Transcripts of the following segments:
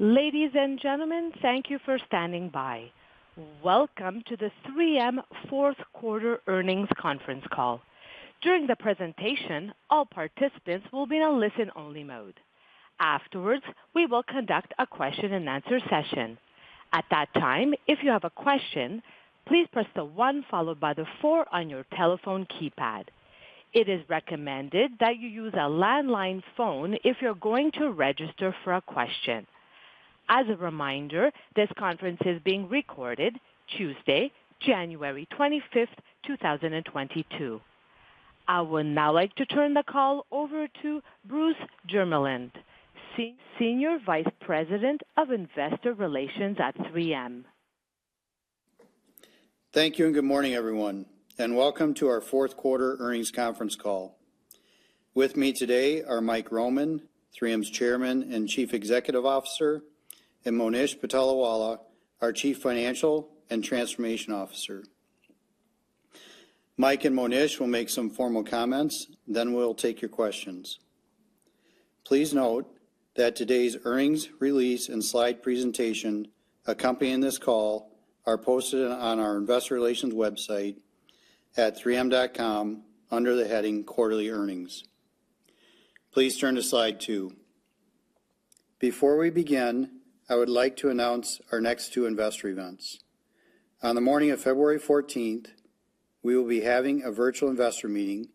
Ladies and gentlemen, thank you for standing by. Welcome to the 3M fourth quarter earnings conference call. During the presentation, all participants will be in a listen-only mode. Afterwards, we will conduct a question-and-answer session. At that time, if you have a question, please press 1 followed by 4 on your telephone keypad. It is recommended that you use a landline phone if you're going to register for a question. As a reminder, this conference is being recorded Tuesday, January 25, 2022. I would now like to turn the call over to Bruce Jermeland, Senior Vice President of Investor Relations at 3M. Thank you, and good morning, everyone, and welcome to our fourth quarter earnings conference call. With me today are Mike Roman, 3M's Chairman and Chief Executive Officer, and Monish Patolawala, our Chief Financial and Transformation Officer. Mike and Monish will make some formal comments, then we'll take your questions. Please note that today's earnings release and slide presentation accompanying this call are posted on our investor relations website at 3m.com under the heading Quarterly Earnings. Please turn to slide 2. Before we begin, I would like to announce our next two investor events. On the morning of February 14, we will be having a virtual investor meeting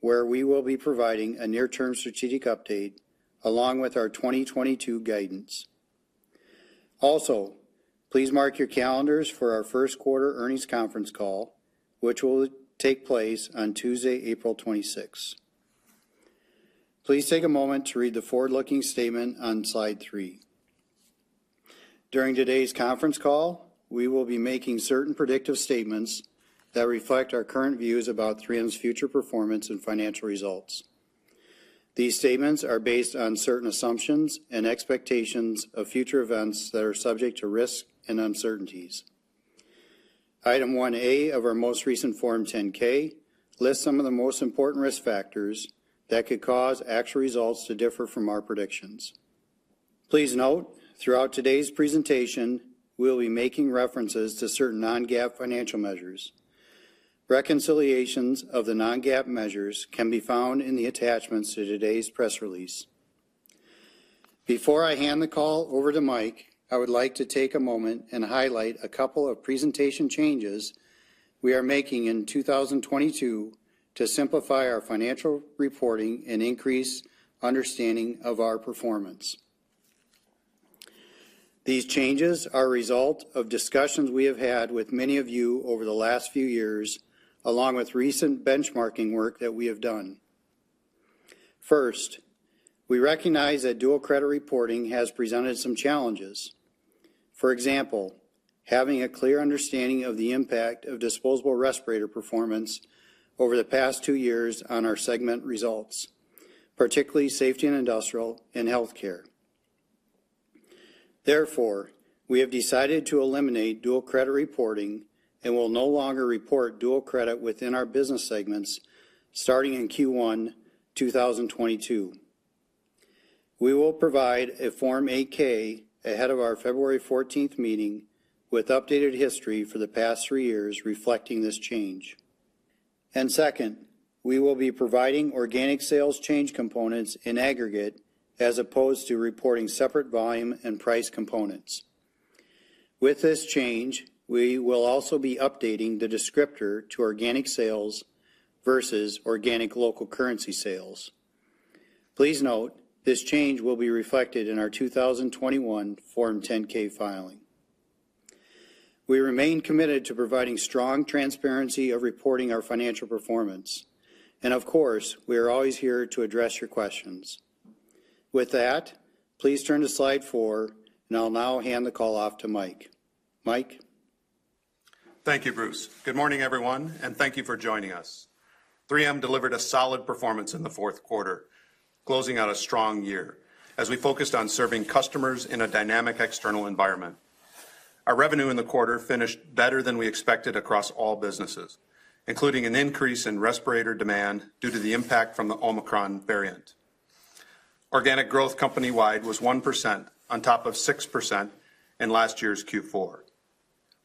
where we will be providing a near-term strategic update along with our 2022 guidance. Also, please mark your calendars for our first quarter earnings conference call, which will take place on Tuesday, April 26. Please take a moment to read the forward-looking statement on slide 3. During today's conference call, we will be making certain predictive statements that reflect our current views about 3M's future performance and financial results. These statements are based on certain assumptions and expectations of future events that are subject to risk and uncertainties. Item 1A of our most recent Form 10-K lists some of the most important risk factors that could cause actual results to differ from our predictions. Please note, throughout today's presentation, we'll be making references to certain non-GAAP financial measures. Reconciliations of the non-GAAP measures can be found in the attachments to today's press release. Before I hand the call over to Mike, I would like to take a moment and highlight a couple of presentation changes we are making in 2022 to simplify our financial reporting and increase understanding of our performance. These changes are a result of discussions we have had with many of you over the last few years, along with recent benchmarking work that we have done. First, we recognize that dual credit reporting has presented some challenges, for example, having a clear understanding of the impact of disposable respirator performance over the past 2 years on our segment results, particularly Safety and Industrial and Health Care. Therefore, we have decided to eliminate dual credit reporting and will no longer report dual credit within our business segments starting in Q1 2022. We will provide a Form 8-K ahead of our February 14 meeting with updated history for the past 3 years reflecting this change. Second, we will be providing organic sales change components in aggregate as opposed to reporting separate volume and price components. With this change, we will also be updating the descriptor to organic sales versus organic local currency sales. Please note this change will be reflected in our 2021 Form 10-K filing. We remain committed to providing strong transparency of reporting our financial performance. Of course, we are always here to address your questions. With that, please turn to slide 4, and I'll now hand the call off to Mike. Mike? Thank you, Bruce. Good morning, everyone, and thank you for joining us. 3M delivered a solid performance in the fourth quarter, closing out a strong year as we focused on serving customers in a dynamic external environment. Our revenue in the quarter finished better than we expected across all businesses, including an increase in respirator demand due to the impact from the Omicron variant. Organic growth company-wide was 1% on top of 6% in last year's Q4,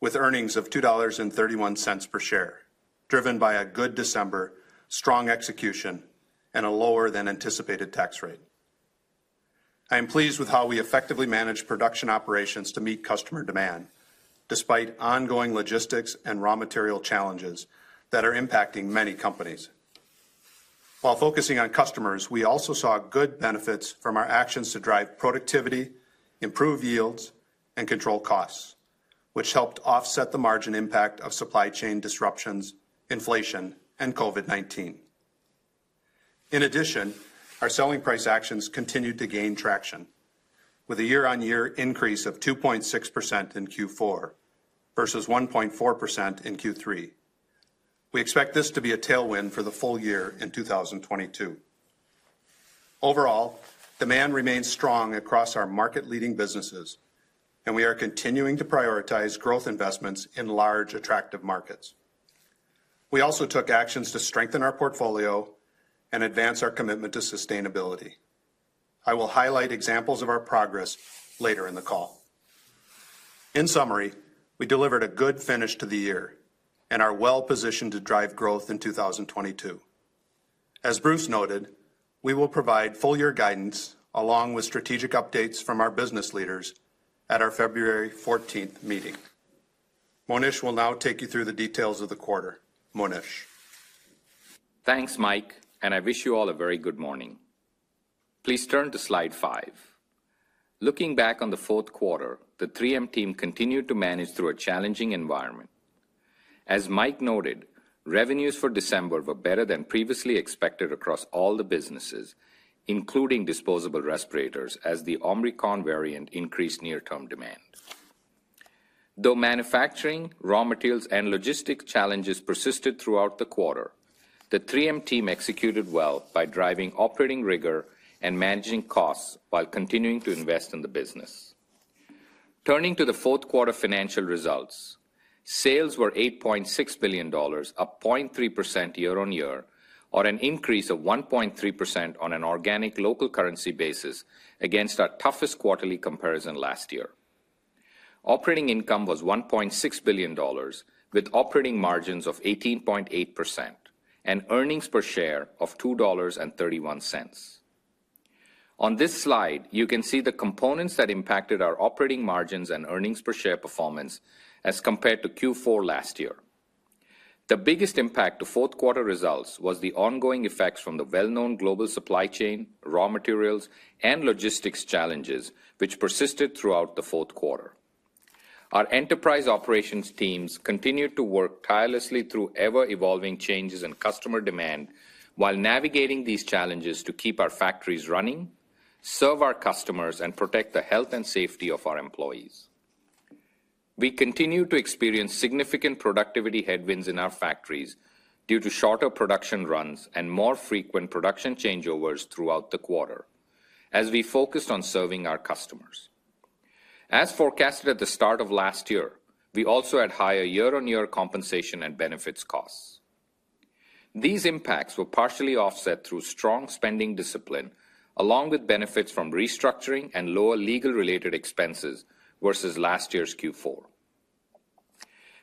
with earnings of $2.31 per share, driven by a good December, strong execution, and a lower than anticipated tax rate. I am pleased with how we effectively manage production operations to meet customer demand, despite ongoing logistics and raw material challenges that are impacting many companies. While focusing on customers, we also saw good benefits from our actions to drive productivity, improve yields, and control costs, which helped offset the margin impact of supply chain disruptions, inflation, and COVID-19. In addition, our selling price actions continued to gain traction with a year-on-year increase of 2.6% in Q4 versus 1.4% in Q3. We expect this to be a tailwind for the full year in 2022. Overall, demand remains strong across our market-leading businesses, and we are continuing to prioritize growth investments in large, attractive markets. We also took actions to strengthen our portfolio and advance our commitment to sustainability. I will highlight examples of our progress later in the call. In summary, we delivered a good finish to the year and are well-positioned to drive growth in 2022. As Bruce noted, we will provide full year guidance along with strategic updates from our business leaders at our February fourteenth meeting. Monish will now take you through the details of the quarter. Monish. Thanks, Mike, and I wish you all a very good morning. Please turn to slide 5. Looking back on the fourth quarter, the 3M team continued to manage through a challenging environment. As Mike noted, revenues for December were better than previously expected across all the businesses, including disposable respirators, as the Omicron variant increased near-term demand. Though manufacturing, raw materials, and logistics challenges persisted throughout the quarter, the 3M team executed well by driving operating rigor and managing costs while continuing to invest in the business. Turning to the fourth quarter financial results, sales were $8.6 billion, up 0.3% year-on-year or an increase of 1.3% on an organic local currency basis against our toughest quarterly comparison last year. Operating income was $1.6 billion, with operating margins of 18.8% and earnings per share of $2.31. On this slide, you can see the components that impacted our operating margins and earnings per share performance as compared to Q4 last year. The biggest impact to fourth quarter results was the ongoing effects from the well-known global supply chain, raw materials, and logistics challenges, which persisted throughout the fourth quarter. Our enterprise operations teams continued to work tirelessly through ever-evolving changes in customer demand while navigating these challenges to keep our factories running, serve our customers, and protect the health and safety of our employees. We continue to experience significant productivity headwinds in our factories due to shorter production runs and more frequent production changeovers throughout the quarter as we focused on serving our customers. As forecasted at the start of last year, we also had higher year-on-year compensation and benefits costs. These impacts were partially offset through strong spending discipline, along with benefits from restructuring and lower legal-related expenses versus last year's Q4.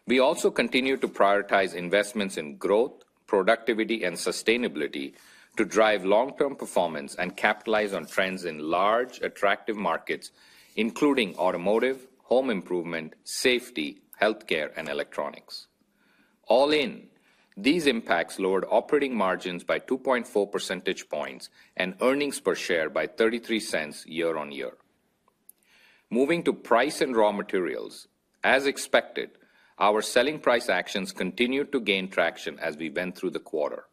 We also continue to prioritize investments in growth, productivity, and sustainability to drive long-term performance and capitalize on trends in large, attractive markets, including automotive, home improvement, safety, healthcare, and electronics. All in, these impacts lowered operating margins by 2.4 percentage points and earnings per share by $0.33 year-on-year. Moving to price and raw materials, as expected, our selling price actions continued to gain traction as we went through the quarter.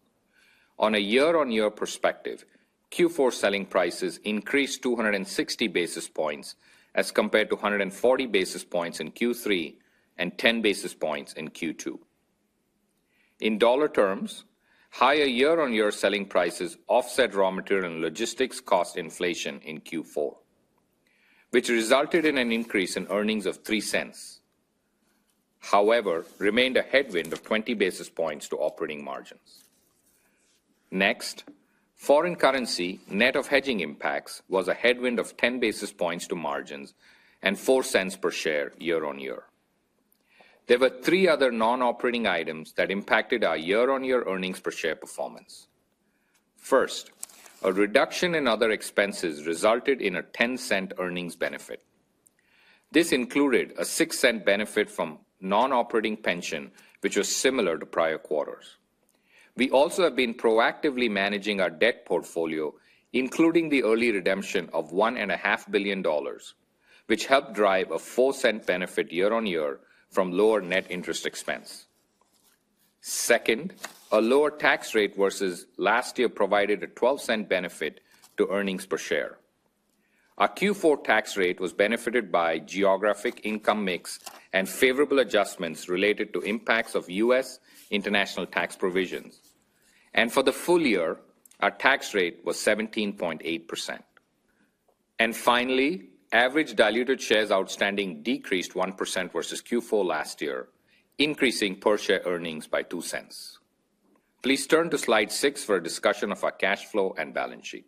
On a year-on-year perspective, Q4 selling prices increased 260 basis points as compared to 140 basis points in Q3 and 10 basis points in Q2. In dollar terms, higher year-over-year selling prices offset raw material and logistics cost inflation in Q4, which resulted in an increase in earnings of $0.03. However, it remained a headwind of 20 basis points to operating margins. Next, foreign currency net of hedging impacts was a headwind of 10 basis points to margins and $0.04 per share year-over-year. There were three other non-operating items that impacted our year-over-year earnings per share performance. First, a reduction in other expenses resulted in a $0.10 earnings benefit. This included a $0.06 benefit from non-operating pension, which was similar to prior quarters. We also have been proactively managing our debt portfolio, including the early redemption of $1.5 billion, which helped drive a $0.04 benefit year-over-year from lower net interest expense. Second, a lower tax rate versus last year provided a $0.12 benefit to earnings per share. Our Q4 tax rate was benefited by geographic income mix and favorable adjustments related to impacts of U.S. international tax provisions. For the full year, our tax rate was 17.8%. Finally, average diluted shares outstanding decreased 1% versus Q4 last year, increasing per share earnings by $0.02. Please turn to slide 6 for a discussion of our cash flow and balance sheet.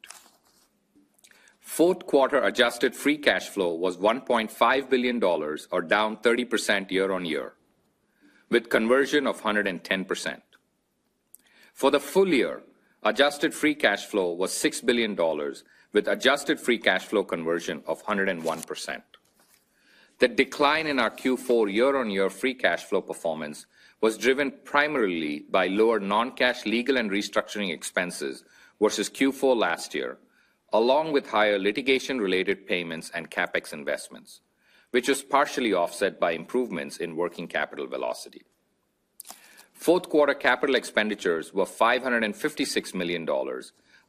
Fourth quarter adjusted free cash flow was $1.5 billion or down 30% year-on-year, with conversion of 110%. For the full year, adjusted free cash flow was $6 billion with adjusted free cash flow conversion of 101%. The decline in our Q4 year-on-year free cash flow performance was driven primarily by lower non-cash legal and restructuring expenses versus Q4 last year, along with higher litigation-related payments and CapEx investments, which was partially offset by improvements in working capital velocity. Fourth quarter capital expenditures were $556 million,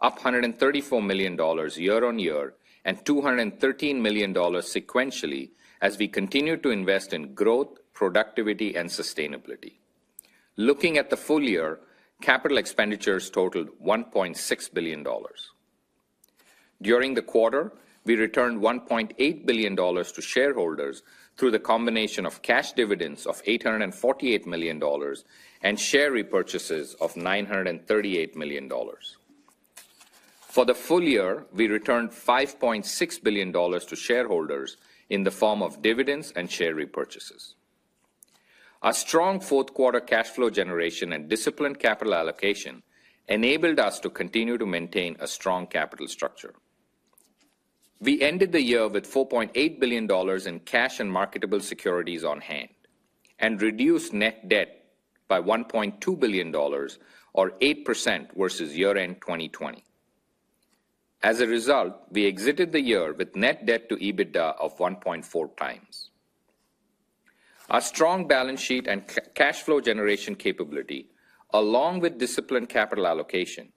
up $134 million year-on-year and $213 million sequentially as we continued to invest in growth, productivity, and sustainability. Looking at the full year, capital expenditures totaled $1.6 billion. During the quarter, we returned $1.8 billion to shareholders through the combination of cash dividends of $848 million and share repurchases of $938 million. For the full year, we returned $5.6 billion to shareholders in the form of dividends and share repurchases. Our strong fourth-quarter cash flow generation and disciplined capital allocation enabled us to continue to maintain a strong capital structure. We ended the year with $4.8 billion in cash and marketable securities on hand and reduced net debt by $1.2 billion or 8% versus year-end 2020. As a result, we exited the year with net debt to EBITDA of 1.4 times. Our strong balance sheet and cash flow generation capability, along with disciplined capital allocation,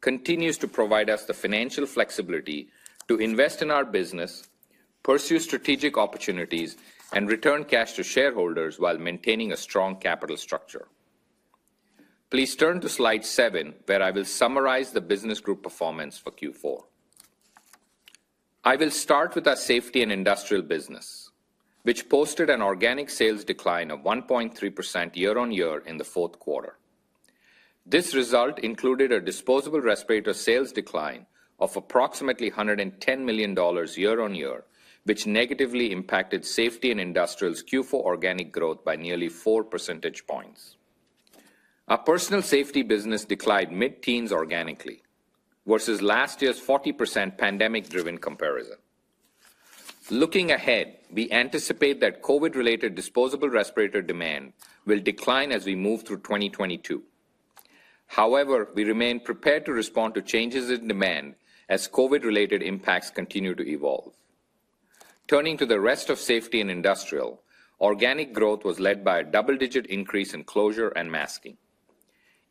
continues to provide us the financial flexibility to invest in our business, pursue strategic opportunities, and return cash to shareholders while maintaining a strong capital structure. Please turn to slide 7 where I will summarize the business group performance for Q4. I will start with our safety and industrial business, which posted an organic sales decline of 1.3% year-on-year in the fourth quarter. This result included a disposable respirator sales decline of approximately $110 million year-on-year which negatively impacted safety and industrial's Q4 organic growth by nearly 4 percentage points. Our personal safety business declined mid-teens organically versus last year's 40% pandemic-driven comparison. Looking ahead, we anticipate that COVID-related disposable respirator demand will decline as we move through 2022. However, we remain prepared to respond to changes in demand as COVID-related impacts continue to evolve. Turning to the rest of safety and industrial, organic growth was led by a double-digit increase in Closure and Masking.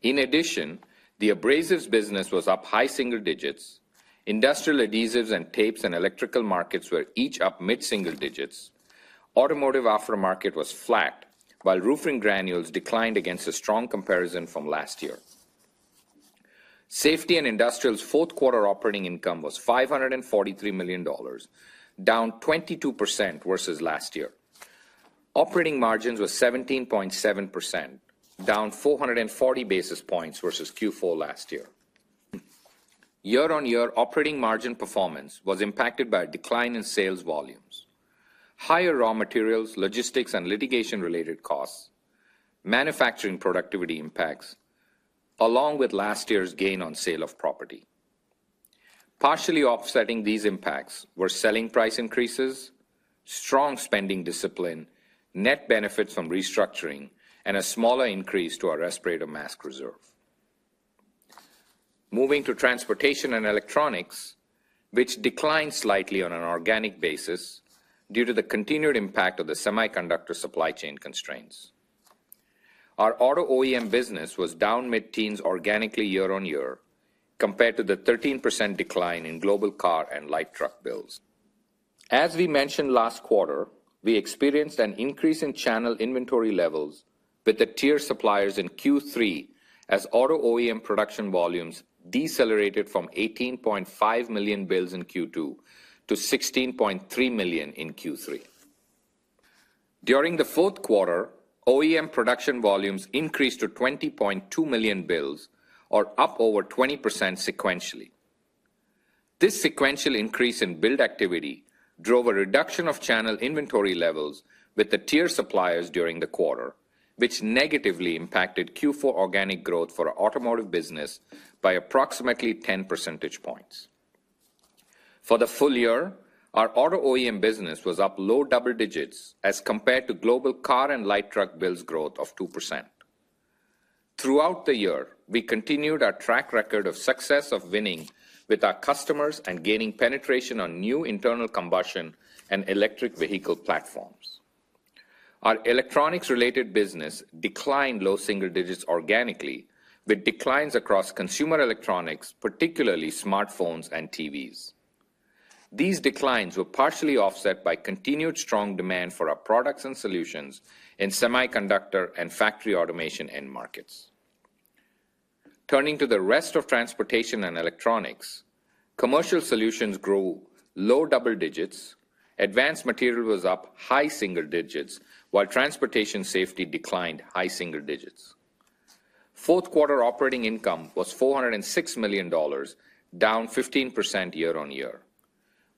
In addition, the abrasives business was up high single digits. Industrial adhesives and tapes and electrical markets were each up mid-single digits. Automotive aftermarket was flat, while roofing granules declined against a strong comparison from last year. Safety and Industrial's fourth quarter operating income was $543 million, down 22% versus last year. Operating margins were 17.7%, down 440 basis points versus Q4 last year. Year-on-year operating margin performance was impacted by a decline in sales volumes, higher raw materials, logistics, and litigation-related costs, manufacturing productivity impacts, along with last year's gain on sale of property. Partially offsetting these impacts were selling price increases, strong spending discipline, net benefits from restructuring, and a smaller increase to our respirator mask reserve. Moving to transportation and electronics, which declined slightly on an organic basis due to the continued impact of the semiconductor supply chain constraints. Our auto OEM business was down mid-teens organically year-on-year compared to the 13% decline in global car and light truck builds. We mentioned last quarter, we experienced an increase in channel inventory levels with the tier suppliers in Q3 as auto OEM production volumes decelerated from 18.5 million builds in Q2 to 16.3 million in Q3. During the fourth quarter, OEM production volumes increased to 20.2 million builds or up over 20% sequentially. This sequential increase in build activity drove a reduction of channel inventory levels with the tier suppliers during the quarter, which negatively impacted Q4 organic growth for our automotive business by approximately 10 percentage points. For the full year, our auto OEM business was up low double digits as compared to global car and light truck builds growth of 2%. Throughout the year, we continued our track record of success of winning with our customers and gaining penetration on new internal combustion and electric vehicle platforms. Our electronics-related business declined low single digits organically, with declines across consumer electronics, particularly smartphones and TVs. These declines were partially offset by continued strong demand for our products and solutions in semiconductor and factory automation end markets. Turning to the rest of transportation and electronics, commercial solutions grew low double digits, advanced material was up high single digits, while transportation safety declined high single digits. Fourth quarter operating income was $406 million, down 15% year-over-year.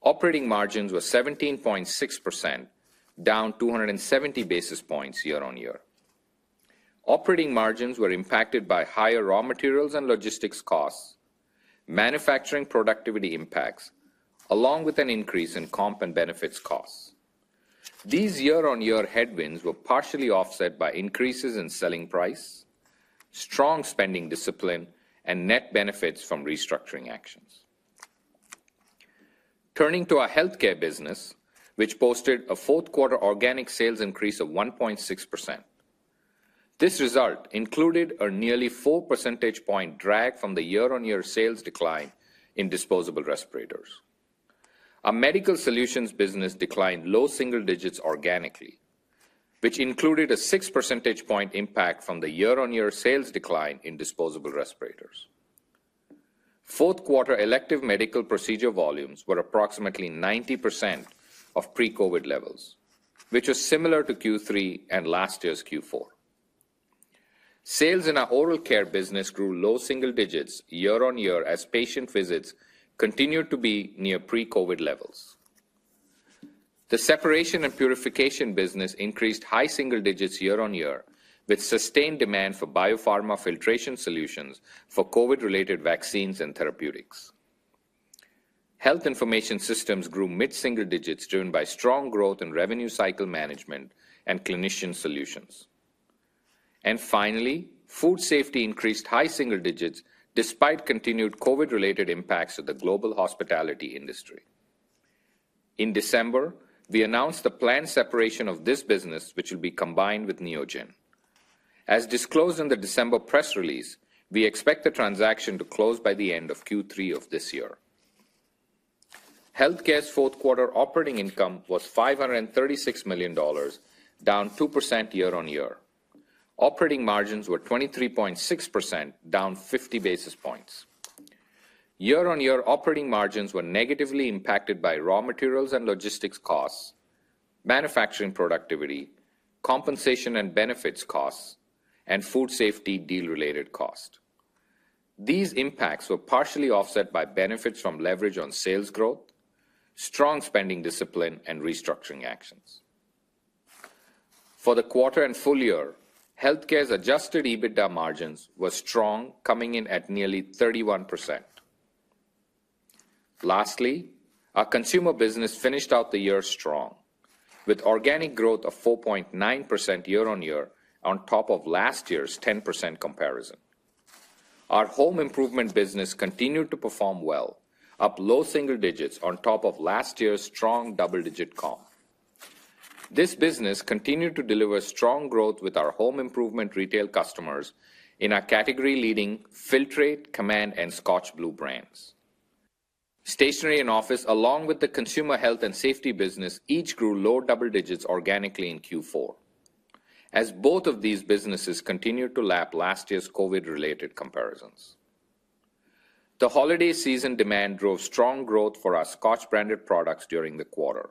Operating margins were 17.6%, down 270 basis points year-over-year. Operating margins were impacted by higher raw materials and logistics costs, manufacturing productivity impacts, along with an increase in comp and benefits costs. These year-on-year headwinds were partially offset by increases in selling price, strong spending discipline, and net benefits from restructuring actions. Turning to our healthcare business, which posted a fourth quarter organic sales increase of 1.6%. This result included a nearly 4 percentage point drag from the year-on-year sales decline in disposable respirators. Our medical solutions business declined low single digits organically, which included a 6 percentage point impact from the year-on-year sales decline in disposable respirators. Fourth quarter elective medical procedure volumes were approximately 90% of pre-COVID levels, which is similar to Q3 and last year's Q4. Sales in our oral care business grew low single digits year-on-year as patient visits continued to be near pre-COVID levels. The separation and purification business increased high single digits year-on-year, with sustained demand for biopharma filtration solutions for COVID-related vaccines and therapeutics. Health information systems grew mid-single digits, driven by strong growth in revenue cycle management and clinician solutions. Finally, food safety increased high single digits despite continued COVID-related impacts of the global hospitality industry. In December, we announced the planned separation of this business, which will be combined with Neogen. As disclosed in the December press release, we expect the transaction to close by the end of Q3 of this year. Healthcare's fourth quarter operating income was $536 million, down 2% year-on-year. Operating margins were 23.6%, down 50 basis points. Year-on-year operating margins were negatively impacted by raw materials and logistics costs, manufacturing productivity, compensation and benefits costs, and food safety deal-related cost. These impacts were partially offset by benefits from leverage on sales growth, strong spending discipline, and restructuring actions. For the quarter and full year, healthcare's adjusted EBITDA margins were strong, coming in at nearly 31%. Lastly, our consumer business finished out the year strong, with organic growth of 4.9% year-on-year on top of last year's 10% comparison. Our home improvement business continued to perform well, up low single digits on top of last year's strong double-digit comp. This business continued to deliver strong growth with our home improvement retail customers in our category-leading Filtrete, Command, and ScotchBlue brands. Stationery and office, along with the consumer health and safety business, each grew low double digits organically in Q4, as both of these businesses continued to lap last year's COVID-related comparisons. The holiday season demand drove strong growth for our Scotch-branded products during the quarter.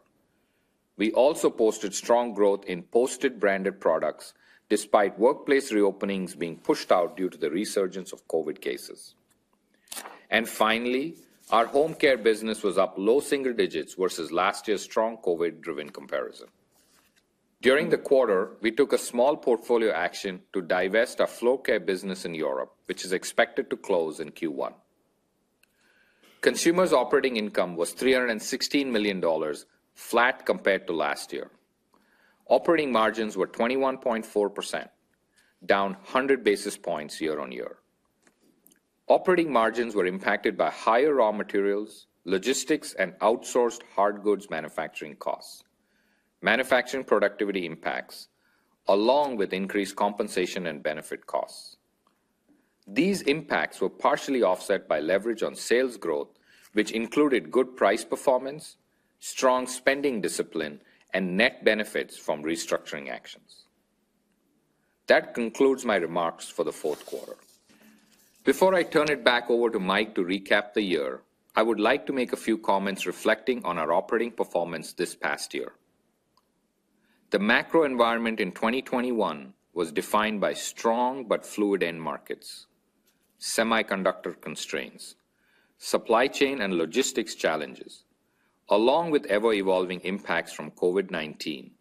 We also posted strong growth in Post-it branded products, despite workplace reopenings being pushed out due to the resurgence of COVID cases. Finally, our home care business was up low single digits versus last year's strong COVID-driven comparison. During the quarter, we took a small portfolio action to divest our floor care business in Europe, which is expected to close in Q1. Consumer's operating income was $316 million, flat compared to last year. Operating margins were 21.4%, down 100 basis points year-on-year. Operating margins were impacted by higher raw materials, logistics, and outsourced hard goods manufacturing costs, manufacturing productivity impacts, along with increased compensation and benefit costs. These impacts were partially offset by leverage on sales growth, which included good price performance, strong spending discipline, and net benefits from restructuring actions. That concludes my remarks for the fourth quarter. Before I turn it back over to Mike to recap the year, I would like to make a few comments reflecting on our operating performance this past year. The macro environment in 2021 was defined by strong but fluid end markets, semiconductor constraints, supply chain and logistics challenges, along with ever-evolving impacts from COVID-19,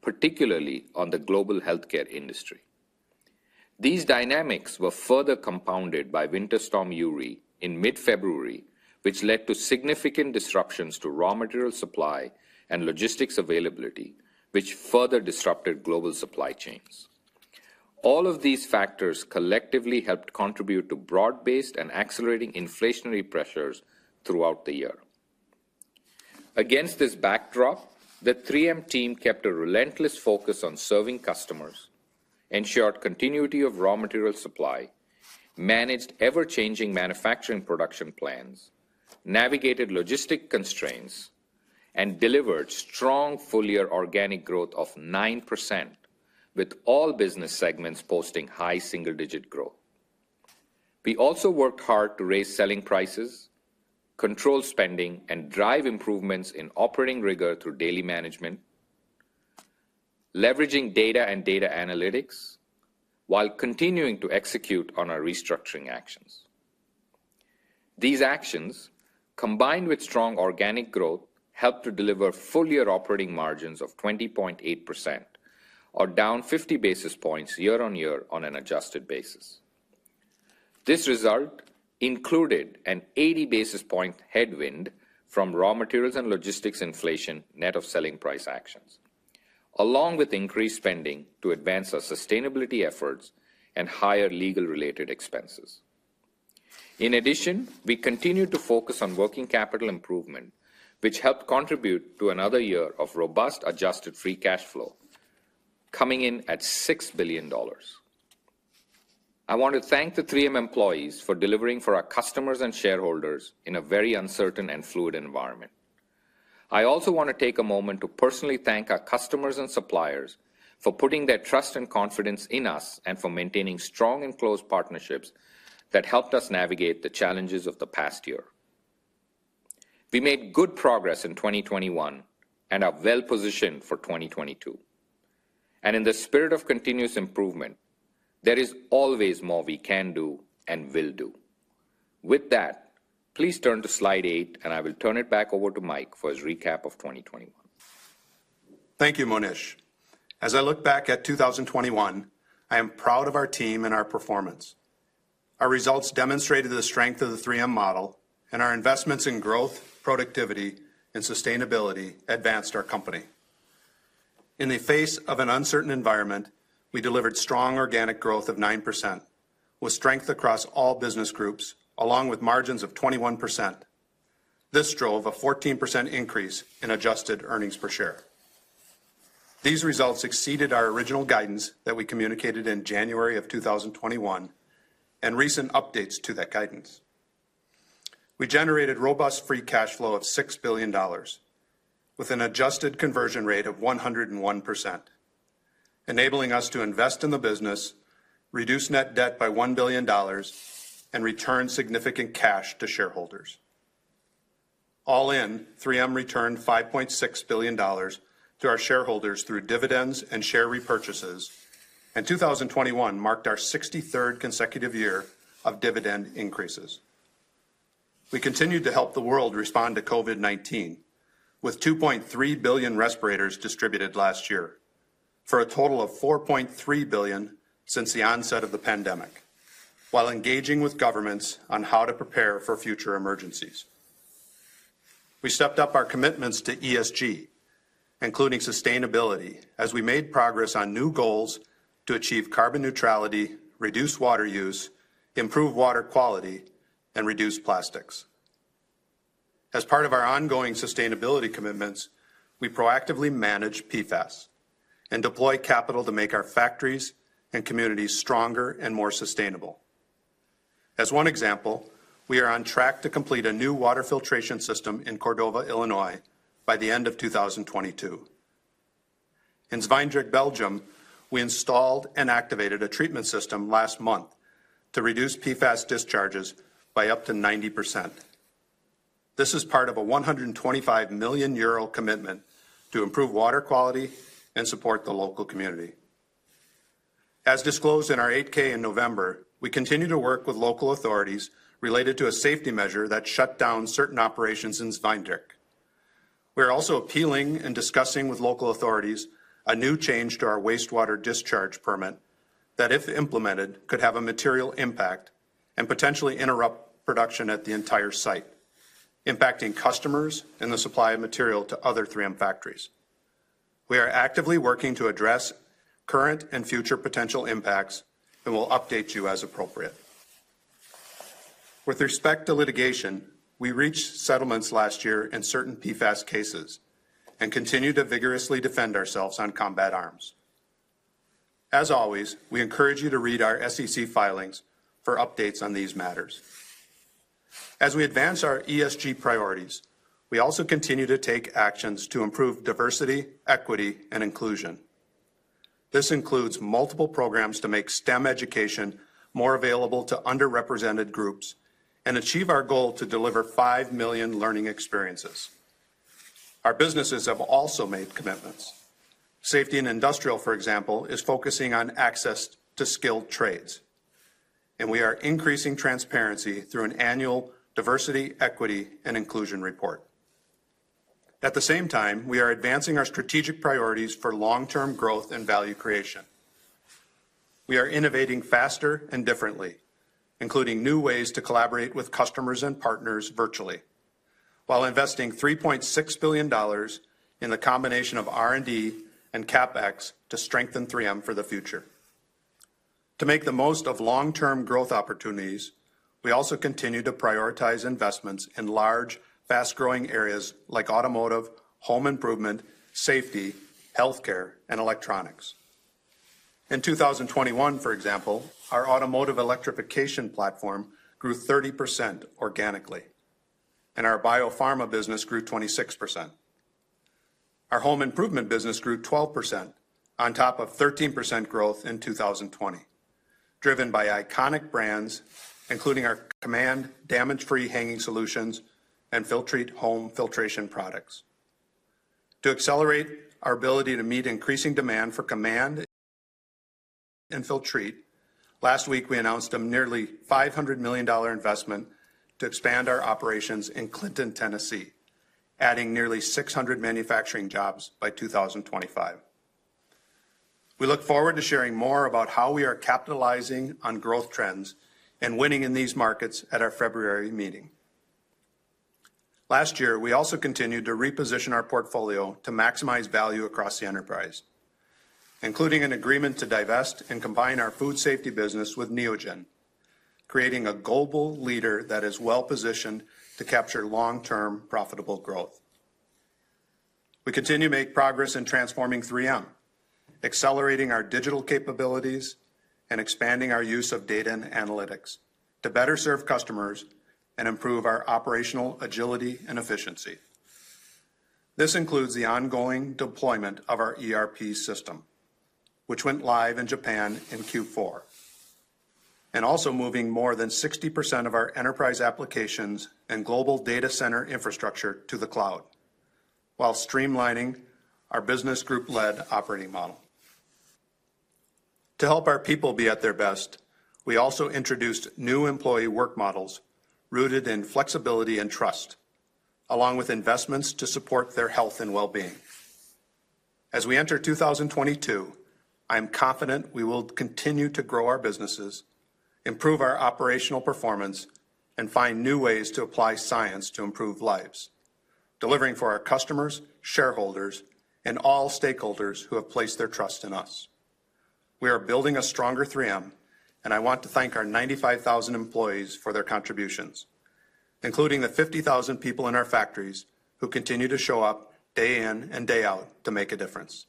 particularly on the global healthcare industry. These dynamics were further compounded by Winter Storm Uri in mid-February, which led to significant disruptions to raw material supply and logistics availability, which further disrupted global supply chains. All of these factors collectively helped contribute to broad-based and accelerating inflationary pressures throughout the year. Against this backdrop, the 3M team kept a relentless focus on serving customers, ensured continuity of raw material supply, managed ever-changing manufacturing production plans, navigated logistic constraints, and delivered strong full-year organic growth of 9%, with all business segments posting high single-digit growth. We also worked hard to raise selling prices, control spending, and drive improvements in operating rigor through daily management, leveraging data and data analytics while continuing to execute on our restructuring actions. These actions, combined with strong organic growth, helped to deliver full-year operating margins of 20.8% or down 50 basis points year-on-year on an adjusted basis. This result included an 80 basis point headwind from raw materials and logistics inflation net of selling price actions, along with increased spending to advance our sustainability efforts and higher legal related expenses. In addition, we continued to focus on working capital improvement, which helped contribute to another year of robust adjusted free cash flow coming in at $6 billion. I want to thank the 3M employees for delivering for our customers and shareholders in a very uncertain and fluid environment. I also want to take a moment to personally thank our customers and suppliers for putting their trust and confidence in us and for maintaining strong and close partnerships that helped us navigate the challenges of the past year. We made good progress in 2021 and are well-positioned for 2022. In the spirit of continuous improvement, there is always more we can do and will do. With that, please turn to slide 8, and I will turn it back over to Mike for his recap of 2021. Thank you, Monish. As I look back at 2021, I am proud of our team and our performance. Our results demonstrated the strength of the 3M model and our investments in growth, productivity, and sustainability advanced our company. In the face of an uncertain environment, we delivered strong organic growth of 9% with strength across all business groups, along with margins of 21%. This drove a 14% increase in adjusted earnings per share. These results exceeded our original guidance that we communicated in January 2021 and recent updates to that guidance. We generated robust free cash flow of $6 billion with an adjusted conversion rate of 101%, enabling us to invest in the business, reduce net debt by $1 billion, and return significant cash to shareholders. All in, 3M returned $5.6 billion to our shareholders through dividends and share repurchases, and 2021 marked our sixty-third consecutive year of dividend increases. We continued to help the world respond to COVID-19 with $2.3 billion respirators distributed last year for a total of $4.3 billion since the onset of the pandemic while engaging with governments on how to prepare for future emergencies. We stepped up our commitments to ESG, including sustainability, as we made progress on new goals to achieve carbon neutrality, reduce water use, improve water quality, and reduce plastics. As part of our ongoing sustainability commitments, we proactively manage PFAS and deploy capital to make our factories and communities stronger and more sustainable. As one example, we are on track to complete a new water filtration system in Cordova, Illinois, by the end of 2022. In Zwijndrecht, Belgium, we installed and activated a treatment system last month to reduce PFAS discharges by up to 90%. This is part of a 125 million euro commitment to improve water quality and support the local community. As disclosed in our 8-K in November, we continue to work with local authorities related to a safety measure that shut down certain operations in Zwijndrecht. We are also appealing and discussing with local authorities a new change to our wastewater discharge permit that, if implemented, could have a material impact and potentially interrupt production at the entire site, impacting customers and the supply of material to other 3M factories. We are actively working to address current and future potential impacts and will update you as appropriate. With respect to litigation, we reached settlements last year in certain PFAS cases and continue to vigorously defend ourselves on Combat Arms. As always, we encourage you to read our SEC filings for updates on these matters. As we advance our ESG priorities, we also continue to take actions to improve diversity, equity, and inclusion. This includes multiple programs to make STEM education more available to underrepresented groups and achieve our goal to deliver 5 million learning experiences. Our businesses have also made commitments. Safety and Industrial, for example, is focusing on access to skilled trades, and we are increasing transparency through an annual diversity, equity, and inclusion report. At the same time, we are advancing our strategic priorities for long-term growth and value creation. We are innovating faster and differently, including new ways to collaborate with customers and partners virtually while investing $3.6 billion in the combination of R&D and CapEx to strengthen 3M for the future. To make the most of long-term growth opportunities, we also continue to prioritize investments in large, fast-growing areas like automotive, home improvement, safety, healthcare, and electronics. In 2021, for example, our automotive electrification platform grew 30% organically, and our biopharma business grew 26%. Our home improvement business grew 12% on top of 13% growth in 2020, driven by iconic brands, including our Command damage-free hanging solutions and Filtrete home filtration products. To accelerate our ability to meet increasing demand for Command and Filtrete, last week we announced a nearly $500 million investment to expand our operations in Clinton, Tennessee, adding nearly 600 manufacturing jobs by 2025. We look forward to sharing more about how we are capitalizing on growth trends and winning in these markets at our February meeting. Last year, we also continued to reposition our portfolio to maximize value across the enterprise, including an agreement to divest and combine our food safety business with Neogen, creating a global leader that is well-positioned to capture long-term profitable growth. We continue to make progress in transforming 3M, accelerating our digital capabilities, and expanding our use of data and analytics to better serve customers and improve our operational agility and efficiency. This includes the ongoing deployment of our ERP system, which went live in Japan in Q4. Also moving more than 60% of our enterprise applications and global data center infrastructure to the cloud, while streamlining our business group-led operating model. To help our people be at their best, we also introduced new employee work models rooted in flexibility and trust, along with investments to support their health and well-being. As we enter 2022, I am confident we will continue to grow our businesses, improve our operational performance, and find new ways to apply science to improve lives, delivering for our customers, shareholders, and all stakeholders who have placed their trust in us. We are building a stronger 3M, and I want to thank our 95,000 employees for their contributions, including the 50,000 people in our factories who continue to show up day in and day out to make a difference.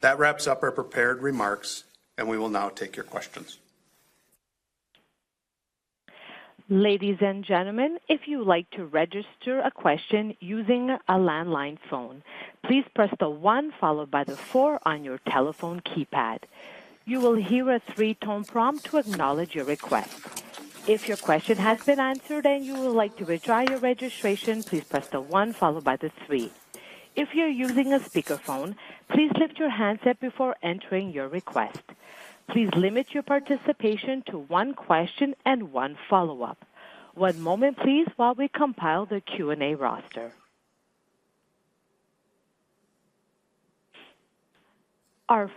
That wraps up our prepared remarks, and we will now take your questions. Our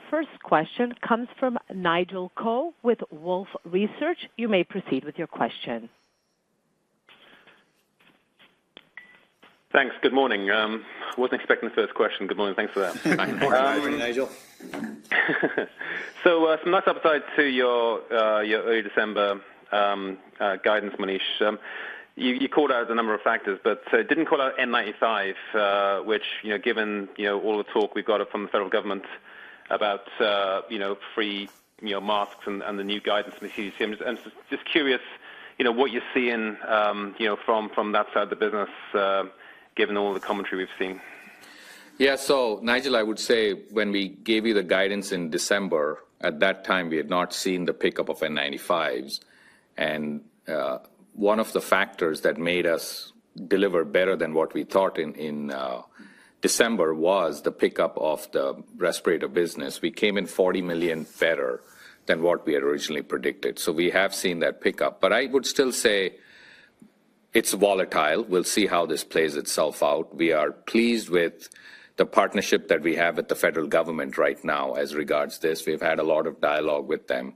first question comes from Nigel Coe with Wolfe Research. You may proceed with your question. Thanks. Good morning. Wasn't expecting the first question. Good morning. Thanks for that. Good morning, Nigel. Some nice upside to your early December guidance, Monish. You called out a number of factors, but didn't call out N95, which, you know, given all the talk we've gotten from the federal government about free masks and the new guidance from the CDC, I'm just curious, you know, what you're seeing from that side of the business, given all the commentary we've seen. Yeah. Nigel, I would say when we gave you the guidance in December, at that time, we had not seen the pickup of N95s. One of the factors that made us deliver better than what we thought in December was the pickup of the respirator business. We came in $40 million better than what we had originally predicted. We have seen that pickup. I would still say it's volatile. We'll see how this plays itself out. We are pleased with the partnership that we have with the federal government right now as regards this. We've had a lot of dialogue with them.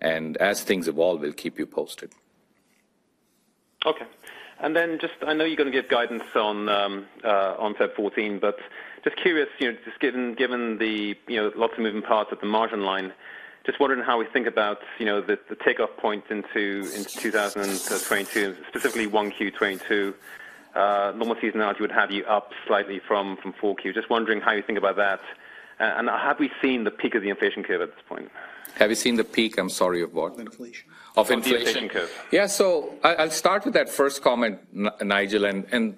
As things evolve, we'll keep you posted. Okay. I know you're gonna give guidance on February 14, but just curious, you know, just given the, you know, lots of moving parts at the margin line, just wondering how we think about, you know, the takeoff points into 2022, specifically 1Q 2022. Normal seasonality would have you up slightly from 4Q. Just wondering how you think about that. And have we seen the peak of the inflation curve at this point? Have you seen the peak, I'm sorry, of what? Of inflation. Of inflation. Of the inflation curve. I'll start with that first comment, Nigel.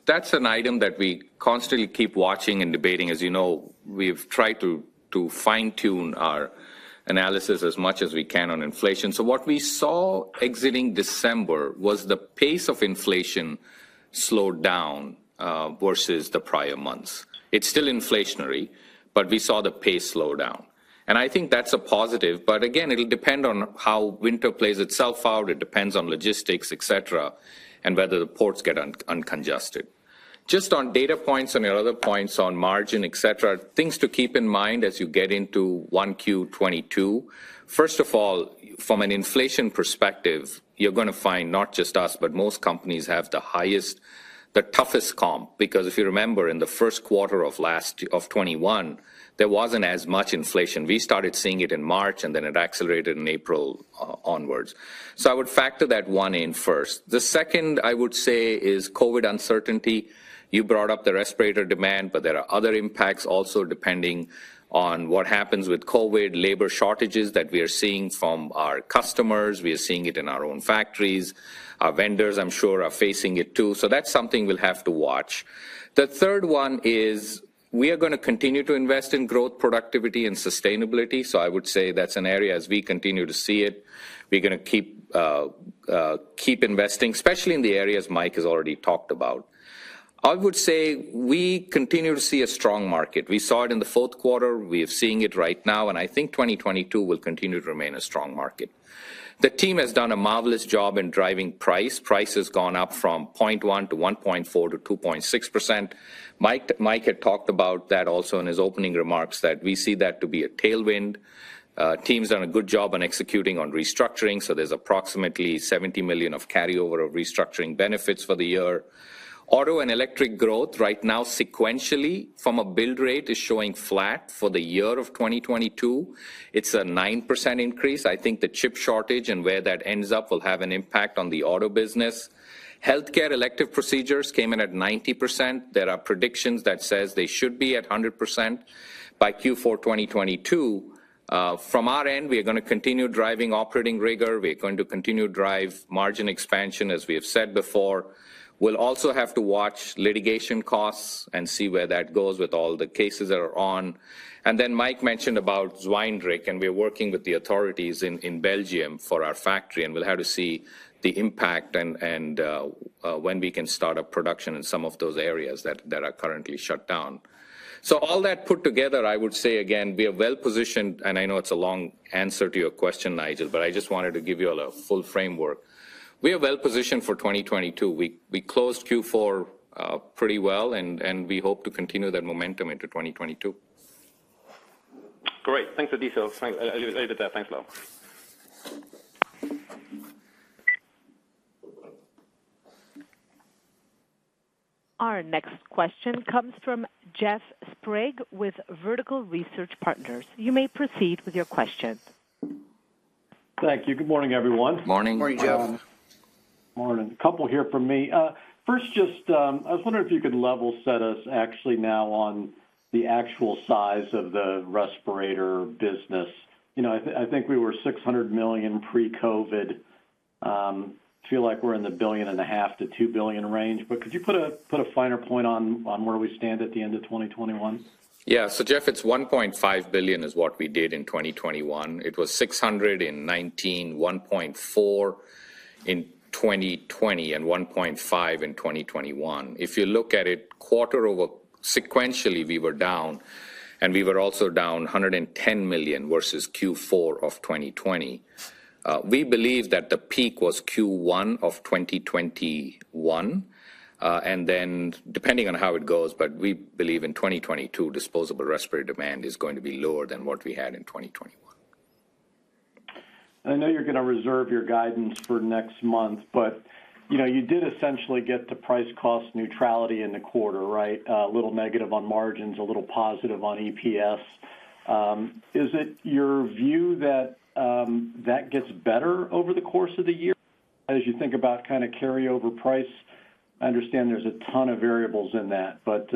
That's an item that we constantly keep watching and debating. As you know, we've tried to fine-tune our analysis as much as we can on inflation. What we saw exiting December was the pace of inflation slowed down versus the prior months. It's still inflationary, but we saw the pace slow down. I think that's a positive. It'll depend on how winter plays itself out. It depends on logistics, et cetera, and whether the ports get uncongested. Just on data points and your other points on margin, et cetera, things to keep in mind as you get into 1Q 2022, first of all, from an inflation perspective, you're gonna find not just us, but most companies have the highest, the toughest comp. Because if you remember, in the first quarter of 2021, there wasn't as much inflation. We started seeing it in March, and then it accelerated in April onwards. I would factor that one in first. The second I would say is COVID uncertainty. You brought up the respirator demand, but there are other impacts also depending on what happens with COVID, labor shortages that we are seeing from our customers. We are seeing it in our own factories. Our vendors, I'm sure, are facing it too. That's something we'll have to watch. The third one is we are gonna continue to invest in growth, productivity, and sustainability. I would say that's an area as we continue to see it, we're gonna keep investing, especially in the areas Mike has already talked about. I would say we continue to see a strong market. We saw it in the fourth quarter. We are seeing it right now, and I think 2022 will continue to remain a strong market. The team has done a marvelous job in driving price. Price has gone up from 0.1% to 1.4% to 2.6%. Mike had talked about that also in his opening remarks, that we see that to be a tailwind. Team's done a good job on executing on restructuring, so there's approximately $70 million of carryover of restructuring benefits for the year. Auto and electronics growth right now sequentially from a build rate is showing flat. For the year of 2022, it's a 9% increase. I think the chip shortage and where that ends up will have an impact on the auto business. Healthcare elective procedures came in at 90%. There are predictions that says they should be at 100% by Q4 2022. From our end, we are gonna continue driving operating rigor. We're going to continue drive margin expansion as we have said before. We'll also have to watch litigation costs and see where that goes with all the cases that are on. Mike mentioned about Zwijndrecht, and we're working with the authorities in Belgium for our factory, and we'll have to see the impact and when we can start up production in some of those areas that are currently shut down. All that put together, I would say again, we are well-positioned, and I know it's a long answer to your question, Nigel, but I just wanted to give you all a full framework. We are well-positioned for 2022. We closed Q4 pretty well, and we hope to continue that momentum into 2022. Great. Thanks for details. I needed that. Thanks a lot. Our next question comes from Jeff Sprague with Vertical Research Partners. You may proceed with your question. Thank you. Good morning, everyone. Morning. Morning, Jeff. Morning. A couple here from me. First, just, I was wondering if you could level set us actually now on the actual size of the respirator business. You know, I think we were $600 million pre-COVID. Feel like we're in the $1.5 billion-$2 billion range, but could you put a finer point on where we stand at the end of 2021? Yeah. Jeff, it's $1.5 billion is what we did in 2021. It was $600 million in 2019, $1.4 billion in 2020, and $1.5 billion in 2021. If you look at it quarter over sequentially, we were down, and we were also down $110 million versus Q4 of 2020. We believe that the peak was Q1 of 2021. Depending on how it goes, we believe in 2022 disposable respirator demand is going to be lower than what we had in 2021. I know you're gonna reserve your guidance for next month, but, you know, you did essentially get the price cost neutrality in the quarter, right? A little negative on margins, a little positive on EPS. Is it your view that that gets better over the course of the year as you think about kinda carryover price? I understand there's a ton of variables in that, but,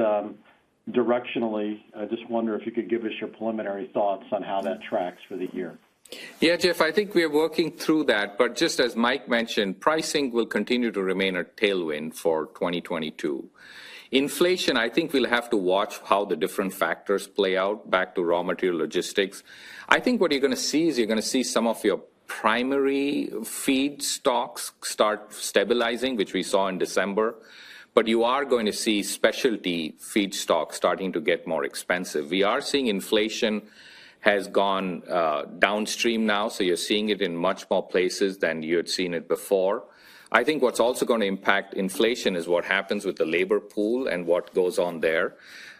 directionally, I just wonder if you could give us your preliminary thoughts on how that tracks for the year? Yeah, Jeff, I think we are working through that, but just as Mike mentioned, pricing will continue to remain a tailwind for 2022. Inflation, I think we'll have to watch how the different factors play out back to raw material logistics. I think what you're gonna see is some of your primary feedstocks start stabilizing, which we saw in December, but you are going to see specialty feedstock starting to get more expensive. We are seeing inflation has gone downstream now, so you're seeing it in much more places than you had seen it before. I think what's also gonna impact inflation is what happens with the labor pool and what goes on there.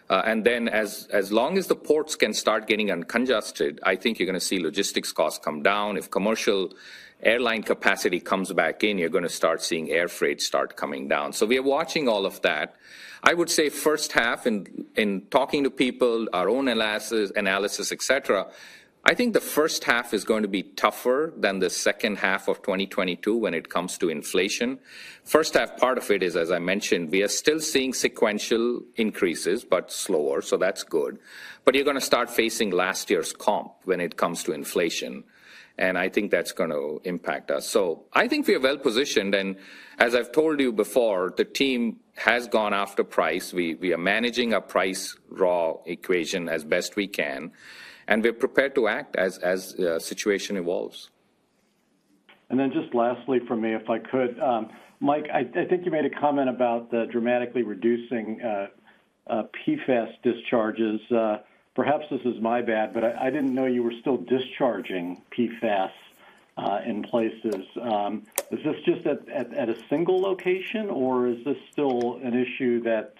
Then as long as the ports can start getting uncongested, I think you're gonna see logistics costs come down. If commercial airline capacity comes back in, you're gonna start seeing air freight start coming down. We are watching all of that. I would say first half in talking to people, our own analysis, et cetera, I think the first half is going to be tougher than the second half of 2022 when it comes to inflation. First half, part of it is, as I mentioned, we are still seeing sequential increases, but slower, so that's good. You're gonna start facing last year's comp when it comes to inflation, and I think that's gonna impact us. I think we are well-positioned, and as I've told you before, the team has gone after price. We are managing our price raw equation as best we can, and we're prepared to act as situation evolves. Just lastly for me, if I could, Mike, I think you made a comment about the dramatically reducing PFAS discharges. Perhaps this is my bad, but I didn't know you were still discharging PFAS in places. Is this just at a single location, or is this still an issue that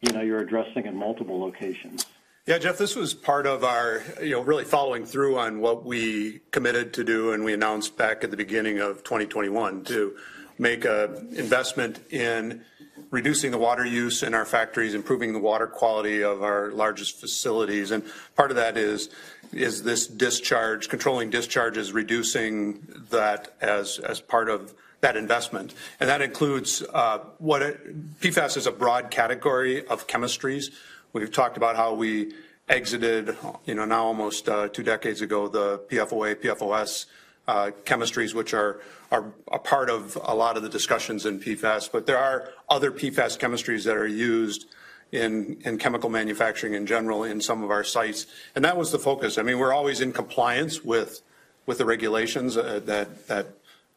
you know, you're addressing in multiple locations? Yeah, Jeff, this was part of our, you know, really following through on what we committed to do, and we announced back at the beginning of 2021 to make an investment in reducing the water use in our factories, improving the water quality of our largest facilities. Part of that is this discharge, controlling discharges, reducing that as part of that investment. That includes. PFAS is a broad category of chemistries. We've talked about how we exited, you know, now almost two decades ago, the PFOA, PFOS chemistries, which are a part of a lot of the discussions in PFAS. There are other PFAS chemistries that are used in chemical manufacturing in general in some of our sites. That was the focus. I mean, we're always in compliance with the regulations that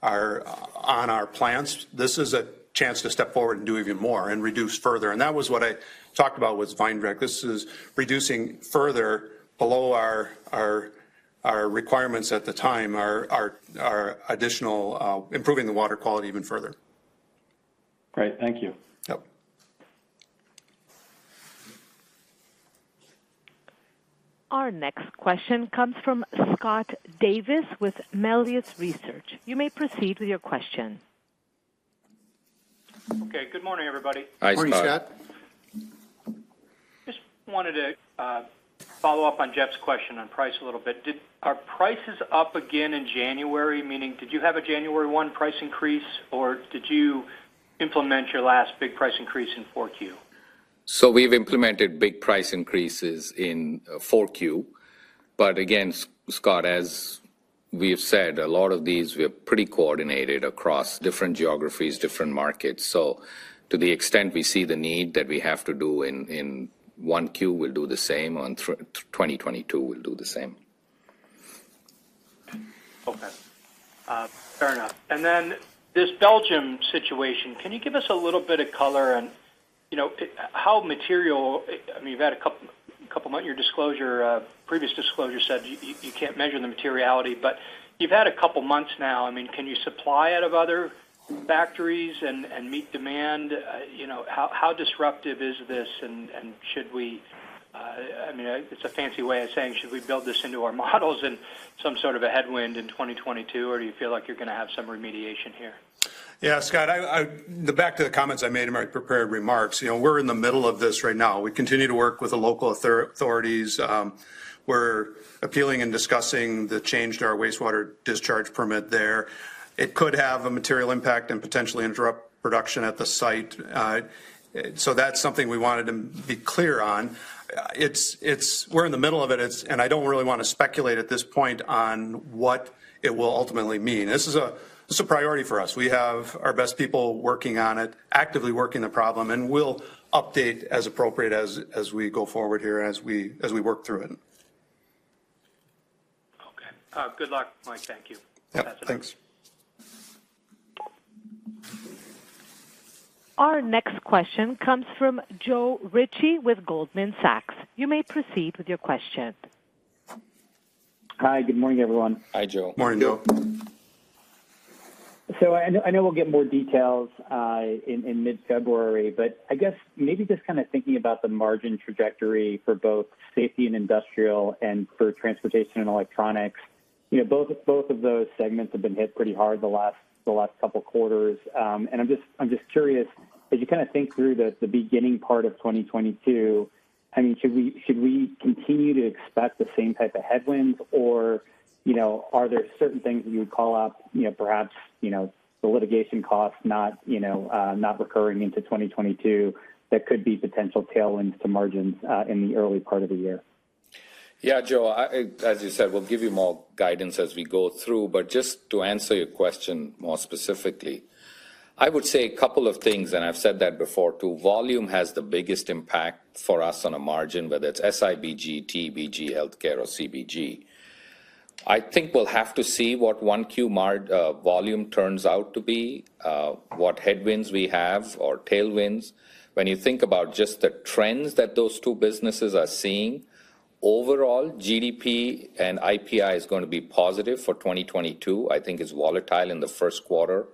are on our plants. This is a chance to step forward and do even more and reduce further. That was what I talked about with Zwijndrecht. This is reducing further below our requirements at the time, our additional improving the water quality even further. Great. Thank you. Yep. Our next question comes from Scott Davis with Melius Research. You may proceed with your question. Okay. Good morning, everybody. Hi, Scott. Morning, Scott. Just wanted to follow up on Jeff's question on price a little bit. Prices up again in January, meaning did you have a January 1 price increase, or did you implement your last big price increase in 4Q? We've implemented big price increases in Q4. But again, Scott, as we have said, a lot of these we have pretty coordinated across different geographies, different markets. To the extent we see the need that we have to do in Q1, we'll do the same. In 2022, we'll do the same. Okay. Fair enough. This Belgium situation, can you give us a little bit of color on how material. You've had a couple months. Your previous disclosure said you can't measure the materiality, but you've had a couple months now. Can you supply out of other factories and meet demand? How disruptive is this, and should we build this into our models in some sort of a headwind in 2022, or do you feel like you're gonna have some remediation here? Yeah, Scott. Going back to the comments I made in my prepared remarks, you know, we're in the middle of this right now. We continue to work with the local authorities. We're appealing and discussing the change to our wastewater discharge permit there. It could have a material impact and potentially interrupt production at the site. So that's something we wanted to be clear on. It's. We're in the middle of it, and I don't really wanna speculate at this point on what it will ultimately mean. This is a priority for us. We have our best people working on it, actively working the problem, and we'll update as appropriate as we go forward here, as we work through it. Okay. Good luck, Mike. Thank you. Yep. Thanks. That's it. Our next question comes from Joe Ritchie with Goldman Sachs. You may proceed with your question. Hi, Good morning, everyone. Hi, Joe. Morning, Joe. I know we'll get more details in mid-February, but I guess maybe just kinda thinking about the margin trajectory for both Safety and Industrial and for Transportation and Electronics. You know, both of those segments have been hit pretty hard the last couple quarters. I'm just curious, as you kinda think through the beginning part of 2022, I mean, should we continue to expect the same type of headwinds or, you know, are there certain things that you would call out, you know, perhaps the litigation costs not recurring into 2022 that could be potential tailwinds to margins in the early part of the year? Yeah, Joe, I, as you said, we'll give you more guidance as we go through. Just to answer your question more specifically, I would say a couple of things, and I've said that before too. Volume has the biggest impact for us on a margin, whether it's SIBG, TBG, healthcare or CBG. I think we'll have to see what volume turns out to be, what headwinds we have or tailwinds. When you think about just the trends that those two businesses are seeing, overall, GDP and IPI is gonna be positive for 2022. I think it's volatile in the first quarter,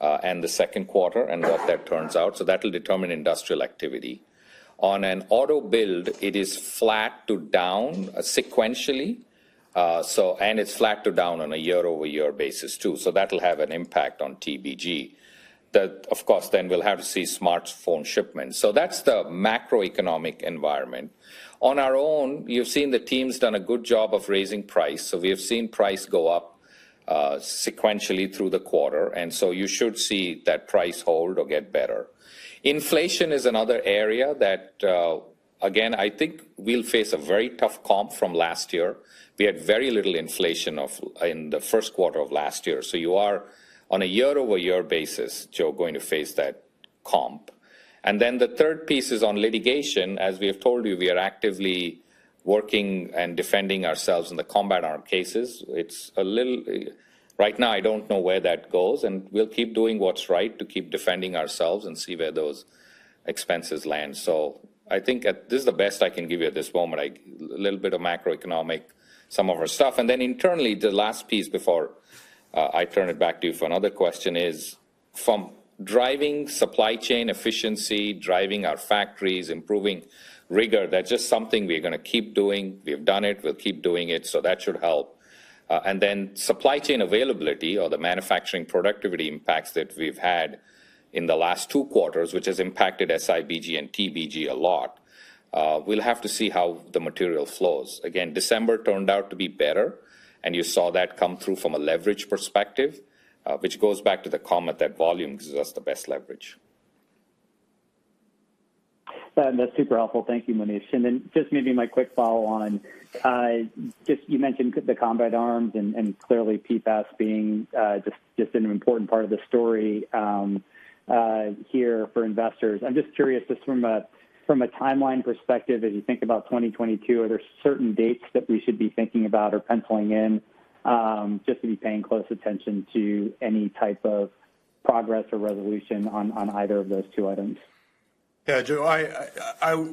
and the second quarter and what that turns out. That'll determine industrial activity. On an auto build, it is flat to down sequentially. It's flat to down on a year-over-year basis too. That'll have an impact on TBG. Of course, then we'll have to see smartphone shipments. That's the macroeconomic environment. On our own, you've seen the team's done a good job of raising price. We have seen price go up sequentially through the quarter, and so you should see that price hold or get better. Inflation is another area that, again, I think we'll face a very tough comp from last year. We had very little inflation in the first quarter of last year. You are on a year-over-year basis, Joe, going to face that comp. The third piece is on litigation. As we have told you, we are actively working and defending ourselves in the Combat Arms cases. It's a little... Right now, I don't know where that goes, and we'll keep doing what's right to keep defending ourselves and see where those expenses land. I think that's the best I can give you at this moment. A little bit of macroeconomic, some of our stuff. Then internally, the last piece before I turn it back to you for another question is from driving supply chain efficiency, driving our factories, improving rigor. That's just something we're gonna keep doing. We've done it. We'll keep doing it, so that should help. Then supply chain availability or the manufacturing productivity impacts that we've had in the last two quarters, which has impacted SIBG and TBG a lot, we'll have to see how the material flows. Again, December turned out to be better, and you saw that come through from a leverage perspective, which goes back to the comment that volume gives us the best leverage. That's super helpful. Thank you, Monish. Just maybe my quick follow on, you mentioned the Combat Arms and clearly PFAS being just an important part of the story here for investors. I'm just curious just from a timeline perspective, as you think about 2022, are there certain dates that we should be thinking about or penciling in, just to be paying close attention to any type of progress or resolution on either of those two items? Yeah, Joe,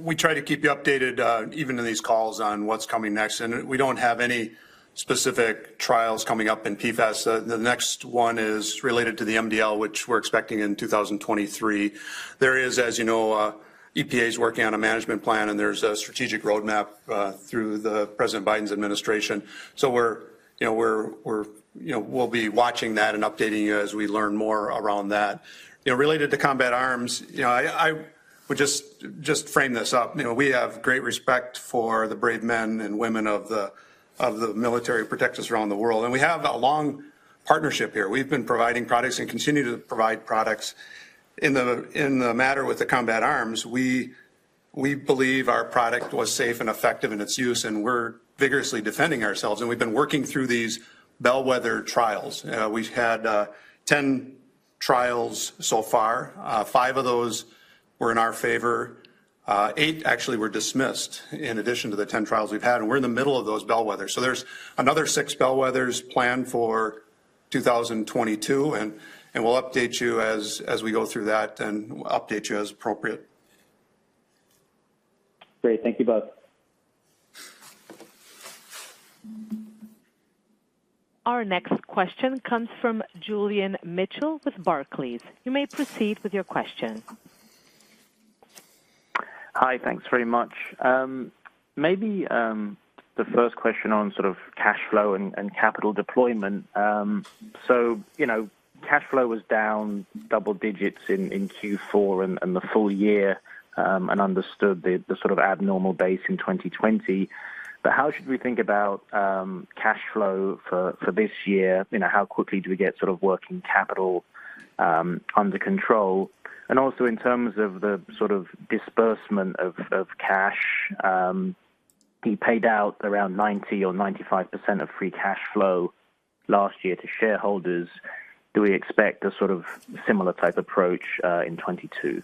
we try to keep you updated even in these calls on what's coming next, and we don't have any specific trials coming up in PFAS. The next one is related to the MDL, which we're expecting in 2023. There is, as you know, EPA is working on a management plan, and there's a strategic roadmap through the President Biden's administration. So we're, you know, we'll be watching that and updating you as we learn more around that. You know, related to Combat Arms, you know, we just frame this up. You know, we have great respect for the brave men and women of the military who protect us around the world, and we have a long partnership here. We've been providing products and continue to provide products. In the matter with the Combat Arms, we believe our product was safe and effective in its use, and we're vigorously defending ourselves, and we've been working through these bellwether trials. We've had 10 trials so far. Five of those were in our favor. Eight actually were dismissed in addition to the 10 trials we've had, and we're in the middle of those bellwethers. There's another 6 bellwethers planned for 2022, and we'll update you as we go through that, and we'll update you as appropriate. Great. Thank you both. Our next question comes from Julian Mitchell with Barclays. You may proceed with your question. Hi. Thanks very much. Maybe the first question on sort of cash flow and capital deployment. So, you know, cash flow was down double digits in Q4 and the full year, and understood the sort of abnormal basis in 2020. But how should we think about cash flow for this year? You know, how quickly do we get sort of working capital under control? And also, in terms of the sort of disbursement of cash, you paid out around 90% or 95% of free cash flow last year to shareholders. Do we expect a sort of similar type approach in 2022?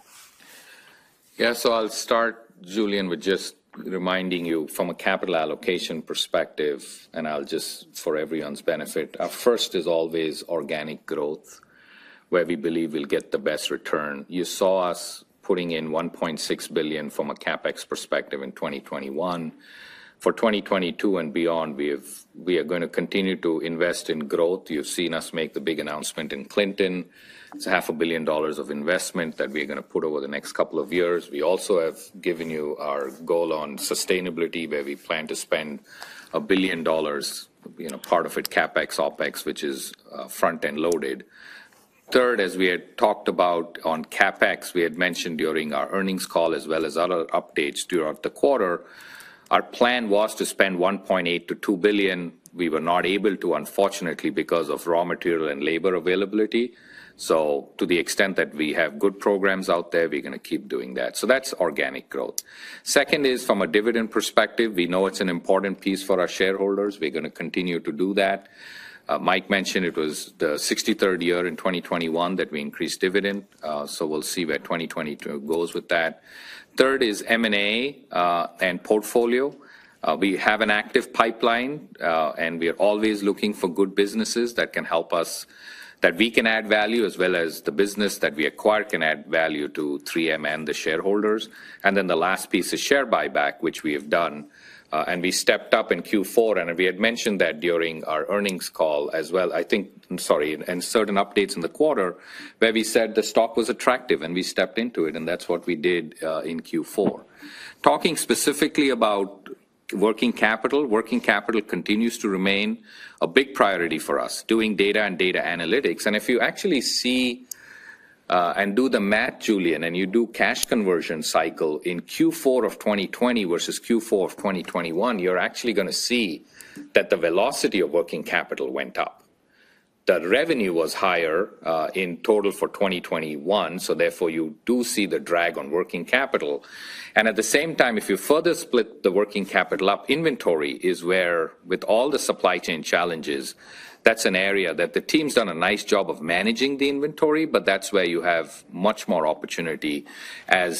Yeah. I'll start, Julian, with just reminding you from a capital allocation perspective, and I'll just for everyone's benefit. Our first is always organic growth, where we believe we'll get the best return. You saw us putting in $1.6 billion from a CapEx perspective in 2021. For 2022 and beyond, we are gonna continue to invest in growth. You've seen us make the big announcement in Clinton. It's a half a billion dollars of investment that we're gonna put over the next couple of years. We also have given you our goal on sustainability, where we plan to spend $1 billion, you know, part of it CapEx, OpEx, which is front-end loaded. Third, as we had talked about on CapEx, we had mentioned during our earnings call as well as other updates throughout the quarter, our plan was to spend $1.8 billion-$2 billion. We were not able to, unfortunately, because of raw material and labor availability. To the extent that we have good programs out there, we're gonna keep doing that. That's organic growth. Second is from a dividend perspective. We know it's an important piece for our shareholders. We're gonna continue to do that. Mike mentioned it was the 63rd year in 2021 that we increased dividend, so we'll see where 2022 goes with that. Third is M&A and portfolio. We have an active pipeline, and we are always looking for good businesses that can help us, that we can add value, as well as the business that we acquire can add value to 3M and the shareholders. The last piece is share buyback, which we have done, and we stepped up in Q4. We had mentioned that during our earnings call as well, I think, I'm sorry, in certain updates in the quarter, where we said the stock was attractive, and we stepped into it, and that's what we did in Q4. Talking specifically about working capital, working capital continues to remain a big priority for us, using data and data analytics. If you actually see and do the math, Julian, and you do cash conversion cycle in Q4 of 2020 versus Q4 of 2021, you're actually gonna see that the velocity of working capital went up. The revenue was higher in total for 2021, so therefore, you do see the drag on working capital. At the same time, if you further split the working capital up, inventory is where, with all the supply chain challenges, that's an area that the team's done a nice job of managing the inventory, but that's where you have much more opportunity as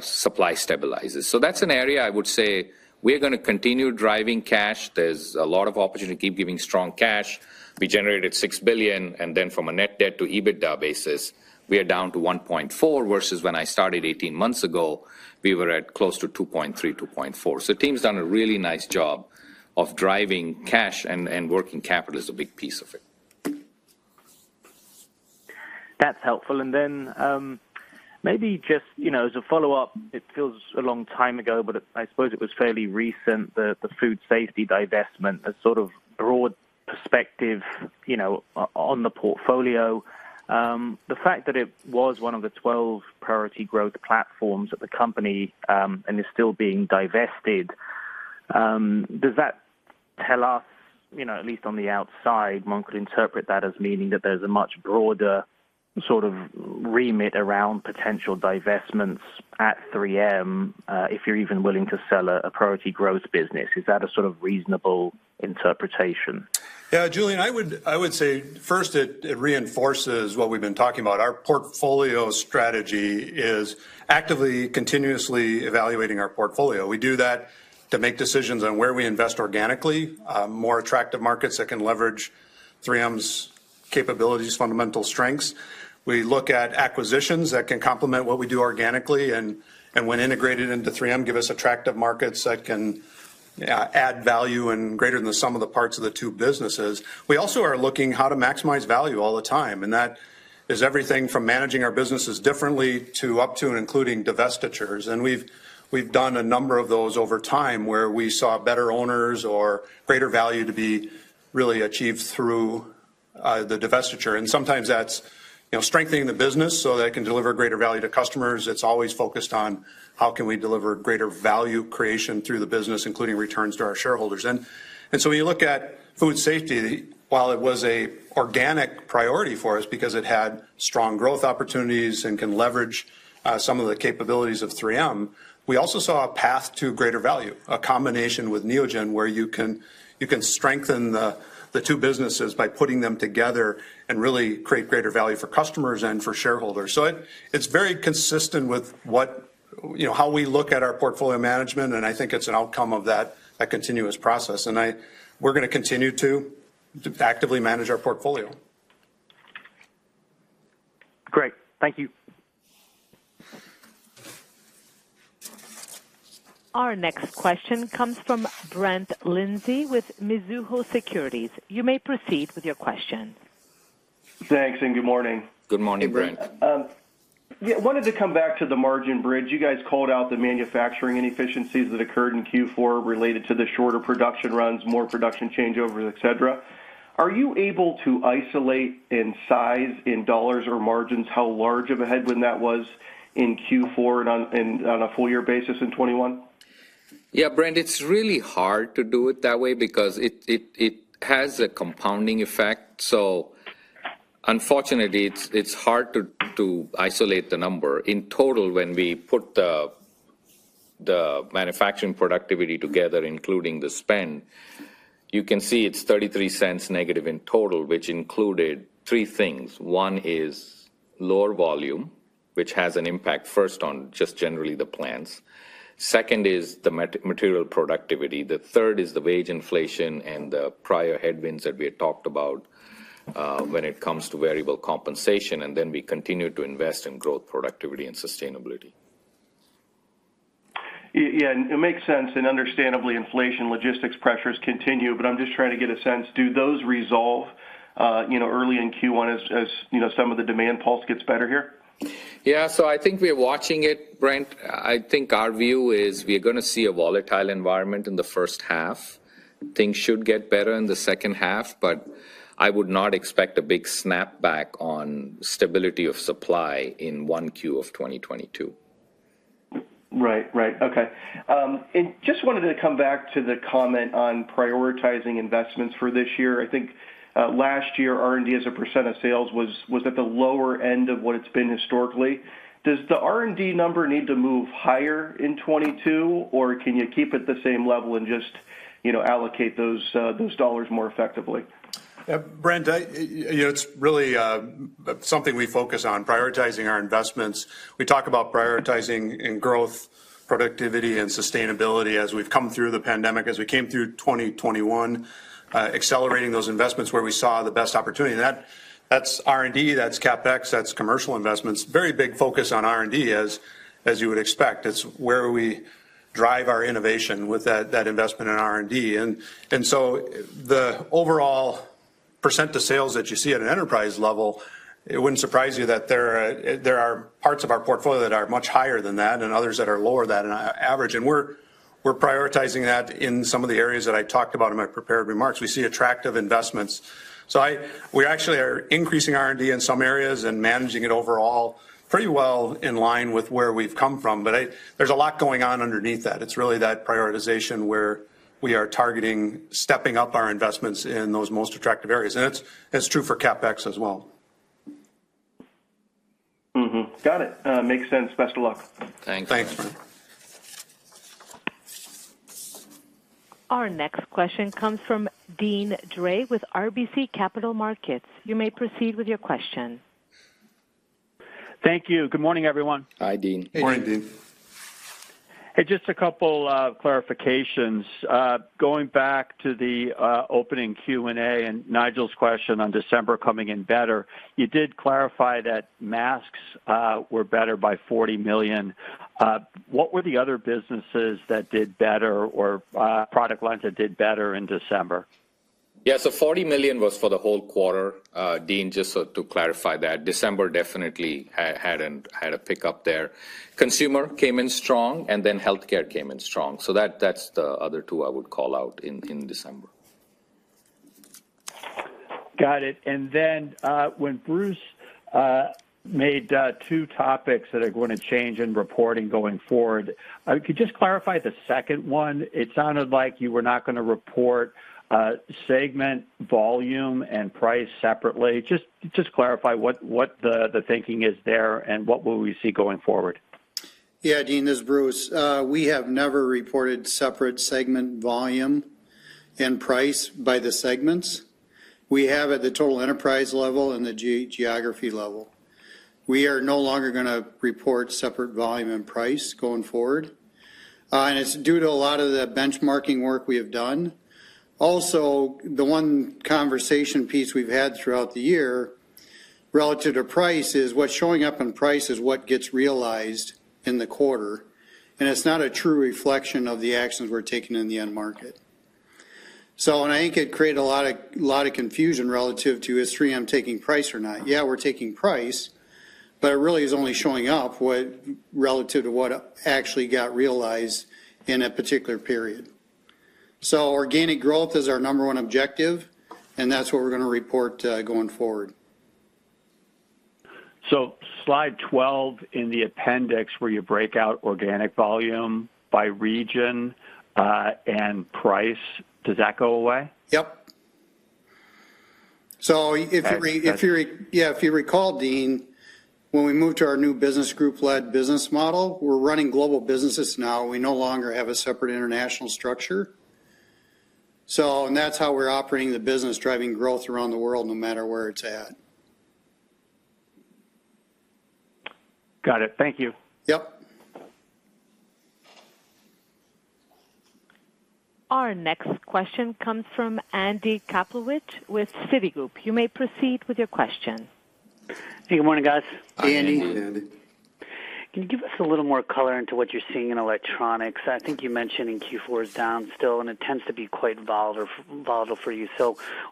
supply stabilizes. That's an area I would say we're gonna continue driving cash. There's a lot of opportunity to keep giving strong cash. We generated $6 billion, and then from a net debt to EBITDA basis, we are down to 1.4 versus when I started 18 months ago, we were at close to 2.3-2.4. The team's done a really nice job of driving cash, and working capital is a big piece of it. That's helpful. Then, maybe just, you know, as a follow-up, it feels a long time ago, but I suppose it was fairly recent, the food safety divestment, a sort of broad perspective, you know, on the portfolio. The fact that it was one of the 12 priority growth platforms at the company, and is still being divested, does that tell us, you know, at least on the outside, one could interpret that as meaning that there's a much broader sort of remit around potential divestments at 3M, if you're even willing to sell a priority growth business. Is that a sort of reasonable interpretation? Yeah. Julian, I would say first it reinforces what we've been talking about. Our portfolio strategy is actively, continuously evaluating our portfolio. We do that to make decisions on where we invest organically, more attractive markets that can leverage 3M's capabilities, fundamental strengths. We look at acquisitions that can complement what we do organically and when integrated into 3M, give us attractive markets that can add value and greater than the sum of the parts of the two businesses. We also are looking how to maximize value all the time, and that is everything from managing our businesses differently to up to and including divestitures. We've done a number of those over time, where we saw better owners or greater value to be really achieved through the divestiture. Sometimes that's, you know, strengthening the business so that it can deliver greater value to customers. It's always focused on how can we deliver greater value creation through the business, including returns to our shareholders. When you look at food safety, while it was an organic priority for us because it had strong growth opportunities and can leverage some of the capabilities of 3M, we also saw a path to greater value, a combination with Neogen where you can strengthen the two businesses by putting them together and really create greater value for customers and for shareholders. It's very consistent with what, you know, how we look at our portfolio management, and I think it's an outcome of that continuous process. We're gonna continue to actively manage our portfolio. Great. Thank you. Our next question comes from Brett Linzey with Mizuho Securities. You may proceed with your question. Thanks, and good morning. Good morning, Brett. Yeah, wanted to come back to the margin bridge. You guys called out the manufacturing inefficiencies that occurred in Q4 related to the shorter production runs, more production changeovers, et cetera. Are you able to isolate in size, in dollars or margins how large of a headwind that was in Q4 and on, and on a full year basis in 2021? Yeah, Brett, it's really hard to do it that way because it has a compounding effect. Unfortunately, it's hard to isolate the number. In total, when we put the manufacturing productivity together, including the spend, you can see it's $0.33 negative in total, which included three things. One is lower volume, which has an impact first on just generally the plants. Second is the material productivity. The third is the wage inflation and the prior headwinds that we had talked about when it comes to variable compensation, and then we continue to invest in growth, productivity and sustainability. Yeah, it makes sense. Understandably, inflation logistics pressures continue, but I'm just trying to get a sense, do those resolve, you know, early in Q1 as, you know, some of the demand pulse gets better here? Yeah. I think we're watching it, Brett. I think our view is we're gonna see a volatile environment in the first half. Things should get better in the second half, but I would not expect a big snap back on stability of supply in 1Q 2022. Right. Okay. Just wanted to come back to the comment on prioritizing investments for this year. I think, last year, R&D as a % of sales was at the lower end of what it's been historically. Does the R&D number need to move higher in 2022, or can you keep it at the same level and just, you know, allocate those dollars more effectively? Yeah, Brett, you know, it's really something we focus on, prioritizing our investments. We talk about prioritizing in growth, productivity and sustainability as we've come through the pandemic, as we came through 2021, accelerating those investments where we saw the best opportunity. That's R&D, that's CapEx, that's commercial investments. Very big focus on R&D as you would expect. It's where we drive our innovation with that investment in R&D. The overall % to sales that you see at an enterprise level, it wouldn't surprise you that there are parts of our portfolio that are much higher than that and others that are lower than average. We're prioritizing that in some of the areas that I talked about in my prepared remarks. We see attractive investments. We actually are increasing R&D in some areas and managing it overall pretty well in line with where we've come from. There's a lot going on underneath that. It's really that prioritization where we are targeting stepping up our investments in those most attractive areas. It's true for CapEx as well. Mm-hmm. Got it. Makes sense. Best of luck. Thanks. Thanks, Brett. Our next question comes from Deane Dray with RBC Capital Markets. You may proceed with your question. Thank you. Good morning, everyone. Hi, Deane. Good morning, Deane. Hey, just a couple clarifications. Going back to the opening Q&A and Nigel's question on December coming in better, you did clarify that masks were better by $40 million. What were the other businesses that did better or product lines that did better in December? Yeah. $40 million was for the whole quarter, Deane, just to clarify that. December definitely had a pickup there. Consumer came in strong, and then Health Care came in strong. That, that's the other two I would call out in December. Got it. When Bruce made two topics that are gonna change in reporting going forward, could you just clarify the second one? It sounded like you were not gonna report segment volume and price separately. Just clarify what the thinking is there and what will we see going forward. Yeah. Deane, this is Bruce. We have never reported separate segment volume and price by the segments. We have at the total enterprise level and the geography level. We are no longer gonna report separate volume and price going forward, and it's due to a lot of the benchmarking work we have done. Also, the one conversation piece we've had throughout the year relative to price is what's showing up in price is what gets realized in the quarter, and it's not a true reflection of the actions we're taking in the end market. I think it created a lot of confusion relative to is 3M taking price or not? Yeah, we're taking price, but it really is only showing up relative to what actually got realized in a particular period. Organic growth is our number one objective, and that's what we're gonna report, going forward. Slide 12 in the appendix where you break out organic volume by region, and price, does that go away? Yep. If you re- I- Yeah, if you recall, Deane, when we moved to our new business group-led business model, we're running global businesses now, we no longer have a separate international structure. That's how we're operating the business, driving growth around the world no matter where it's at. Got it. Thank you. Yep. Our next question comes from Andy Kaplowitz with Citigroup. You may proceed with your question. Good morning, guys. Hi, Andy. Morning, Andy. Can you give us a little more color into what you're seeing in electronics? I think you mentioned in Q4 is down still, and it tends to be quite volatile for you.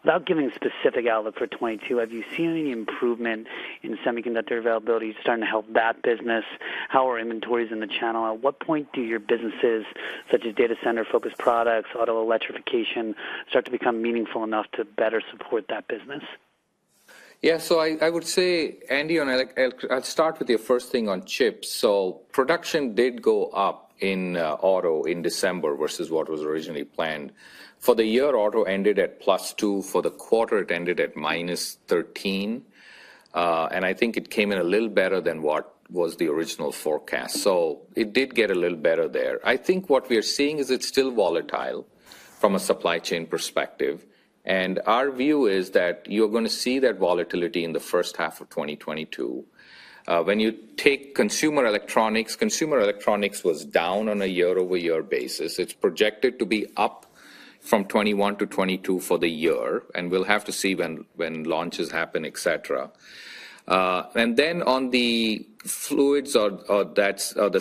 Without giving specific outlook for 2022, have you seen any improvement in semiconductor availability starting to help that business? How are inventories in the channel? At what point do your businesses, such as data center-focused products, auto electrification, start to become meaningful enough to better support that business? I would say, Andy, on—I'll start with your first thing on chips. Production did go up in auto in December versus what was originally planned. For the year, auto ended at +2%. For the quarter, it ended at -13%. I think it came in a little better than what was the original forecast. It did get a little better there. I think what we are seeing is it's still volatile from a supply chain perspective. Our view is that you're gonna see that volatility in the first half of 2022. When you take consumer electronics, consumer electronics was down on a year-over-year basis. It's projected to be up from 2021 to 2022 for the year, and we'll have to see when launches happen, et cetera. That's the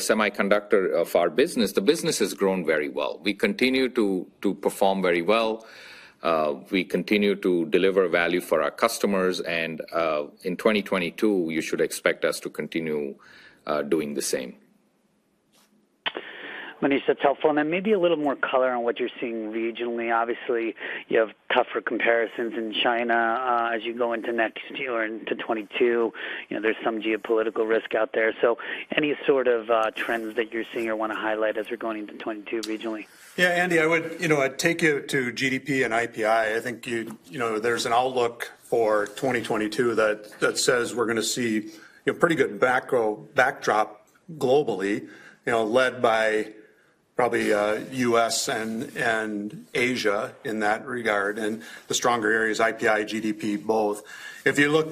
semiconductor of our business. The business has grown very well. We continue to perform very well. We continue to deliver value for our customers, and in 2022, you should expect us to continue doing the same. Monish, that's helpful. Then maybe a little more color on what you're seeing regionally. Obviously, you have tougher comparisons in China, as you go into next year into 2022. You know, there's some geopolitical risk out there. Any sort of trends that you're seeing or wanna highlight as we're going into 2022 regionally? Yeah, Andy, you know, I'd take you to GDP and IPI. I think you know, there's an outlook for 2022 that says we're gonna see, you know, pretty good backdrop globally, you know, led by probably U.S. and Asia in that regard. The stronger areas, IPI, GDP, both. If you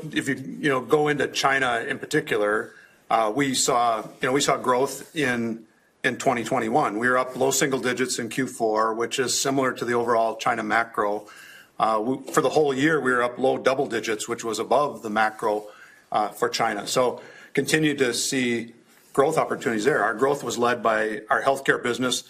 you know, go into China in particular, we saw, you know, growth in 2021. We were up low single digits in Q4, which is similar to the overall China macro. For the whole year, we were up low double digits, which was above the macro for China. Continued to see growth opportunities there. Our growth was led by our healthcare business.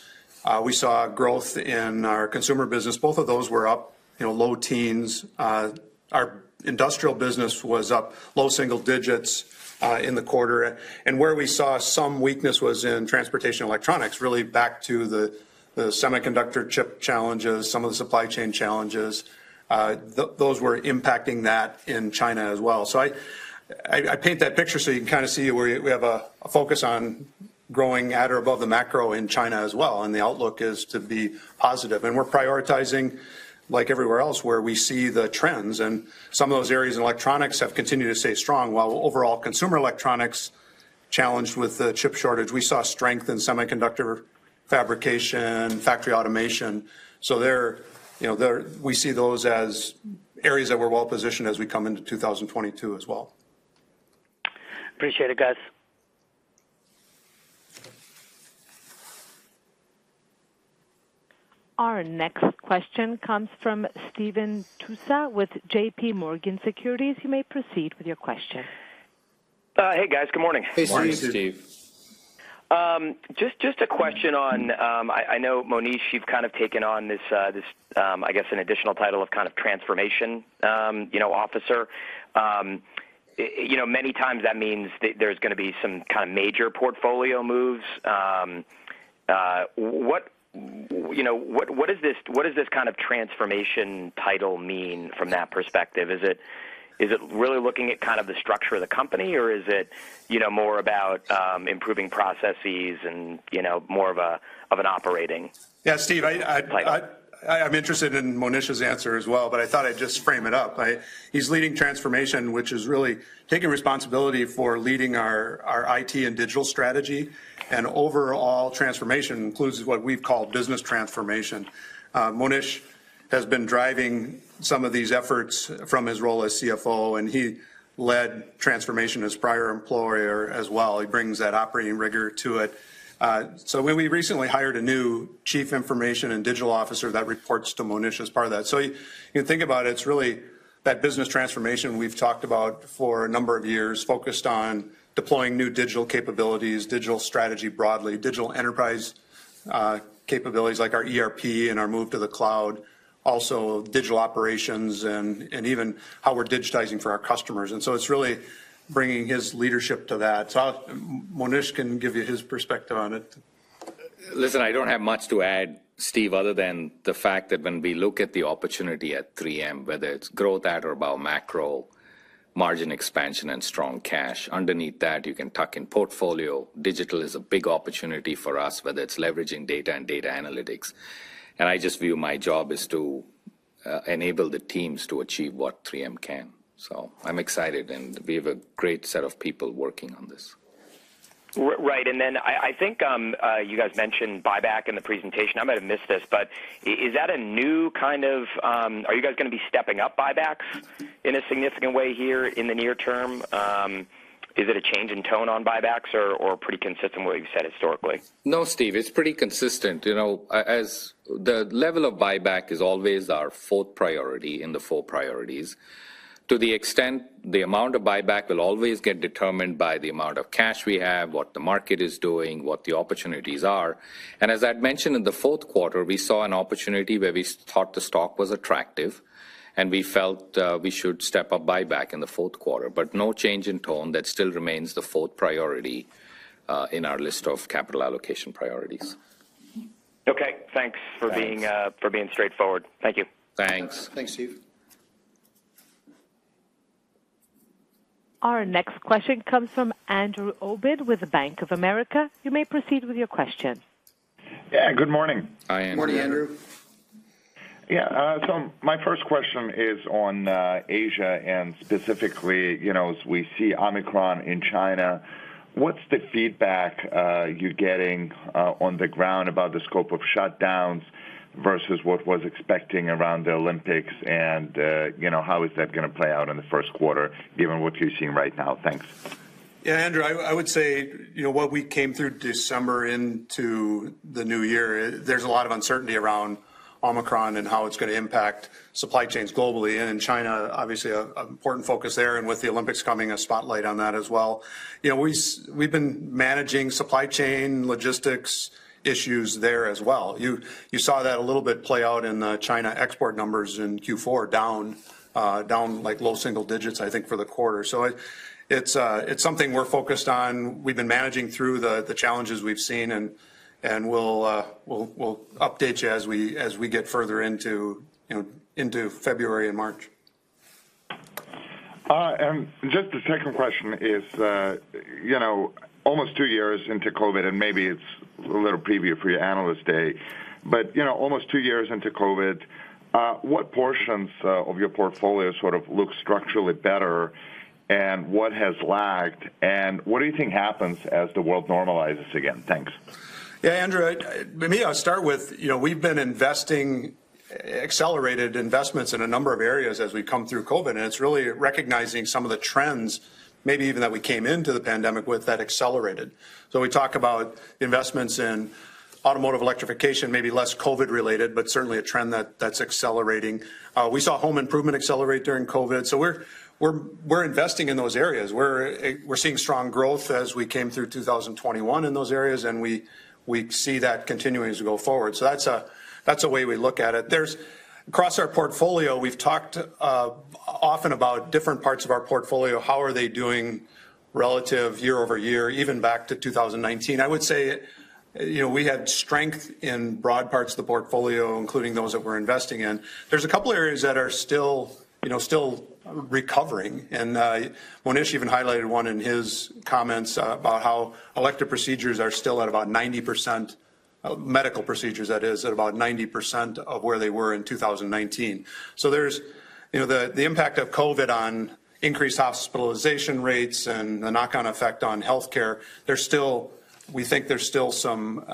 We saw growth in our consumer business. Both of those were up, you know, low teens. Our industrial business was up low single digits in the quarter. Where we saw some weakness was in transportation electronics, really back to the semiconductor chip challenges, some of the supply chain challenges. Those were impacting that in China as well. I paint that picture so you can kind of see where we have a focus on growing at or above the macro in China as well, and the outlook is to be positive. We're prioritizing like everywhere else, where we see the trends. Some of those areas in electronics have continued to stay strong. While overall consumer electronics challenged with the chip shortage, we saw strength in semiconductor fabrication, factory automation. There, you know, there, we see those as areas that we're well positioned as we come into 2022 as well. Appreciate it, guys. Our next question comes from Steve Tusa with JP Morgan Securities. You may proceed with your question. Hey, guys. Good morning. Hey, Steve. Morning, Steve. Just a question on, I know, Monish, you've kind of taken on this, I guess an additional title of kind of transformation, you know, officer. You know, many times that means there's gonna be some kind of major portfolio moves. What, you know, what does this kind of transformation title mean from that perspective? Is it really looking at kind of the structure of the company, or is it, you know, more about, improving processes and, you know, more of an operating- Yeah, Steve, I -type? I'm interested in Monish's answer as well, but I thought I'd just frame it up. He's leading transformation, which is really taking responsibility for leading our IT and digital strategy. Overall transformation includes what we've called business transformation. Monish has been driving some of these efforts from his role as CFO, and he led transformation at his prior employer as well. He brings that operating rigor to it. We recently hired a new chief information and digital officer that reports to Monish as part of that. You think about it's really that business transformation we've talked about for a number of years, focused on deploying new digital capabilities, digital strategy broadly, digital enterprise, capabilities like our ERP and our move to the cloud, also digital operations and even how we're digitizing for our customers. It's really bringing his leadership to that. Monish can give you his perspective on it. Listen, I don't have much to add, Steve, other than the fact that when we look at the opportunity at 3M, whether it's growth at or above macro, margin expansion and strong cash. Underneath that, you can tuck in portfolio. Digital is a big opportunity for us, whether it's leveraging data and data analytics. I just view my job is to enable the teams to achieve what 3M can. I'm excited, and we have a great set of people working on this. Right. I think you guys mentioned buyback in the presentation. I might have missed this, but are you guys gonna be stepping up buybacks in a significant way here in the near term? Is it a change in tone on buybacks or pretty consistent what you've said historically? No, Steve, it's pretty consistent. You know, the level of buyback is always our fourth priority in the four priorities. To the extent the amount of buyback will always get determined by the amount of cash we have, what the market is doing, what the opportunities are. As I'd mentioned in the fourth quarter, we saw an opportunity where we thought the stock was attractive, and we felt we should step up buyback in the fourth quarter. No change in tone. That still remains the fourth priority in our list of capital allocation priorities. Okay. Thanks for being Thanks. Thank you for being straightforward. Thank you. Thanks. Thanks, Steve. Our next question comes from Andrew Obin with Bank of America. You may proceed with your question. Yeah, good morning. Hi, Andrew. Morning, Andrew. Yeah. My first question is on Asia and specifically, you know, as we see Omicron in China, what's the feedback you're getting on the ground about the scope of shutdowns versus what was expected around the Olympics? You know, how is that gonna play out in the first quarter given what you're seeing right now? Thanks. Yeah, Andrew, I would say, you know, what we came through December into the new year, there's a lot of uncertainty around Omicron and how it's gonna impact supply chains globally. In China, obviously an important focus there, and with the Olympics coming, a spotlight on that as well. You know, we've been managing supply chain logistics issues there as well. You saw that a little bit play out in the China export numbers in Q4 down like low single digits, I think, for the quarter. It's something we're focused on. We've been managing through the challenges we've seen, and we'll update you as we get further into, you know, into February and March. Just the second question is, you know, almost two years into COVID, and maybe it's a little preview for your Analyst Day, but, you know, almost two years into COVID, what portions of your portfolio sort of look structurally better and what has lagged, and what do you think happens as the world normalizes again? Thanks. Yeah. Andrew, let me start with accelerated investments in a number of areas as we come through COVID, and it's really recognizing some of the trends maybe even that we came into the pandemic with that accelerated. We talk about investments in automotive electrification, maybe less COVID-related, but certainly a trend that's accelerating. We saw home improvement accelerate during COVID. We're investing in those areas. We're seeing strong growth as we came through 2021 in those areas, and we see that continuing as we go forward. That's a way we look at it. That's across our portfolio. We've talked often about different parts of our portfolio, how are they doing relative year-over-year, even back to 2019. I would say, you know, we had strength in broad parts of the portfolio, including those that we're investing in. There's a couple areas that are still, you know, still recovering. Monish even highlighted one in his comments about how elective procedures are still at about 90%, medical procedures that is, at about 90% of where they were in 2019. There's, you know, the impact of COVID on increased hospitalization rates and the knock-on effect on healthcare. We think there's still some,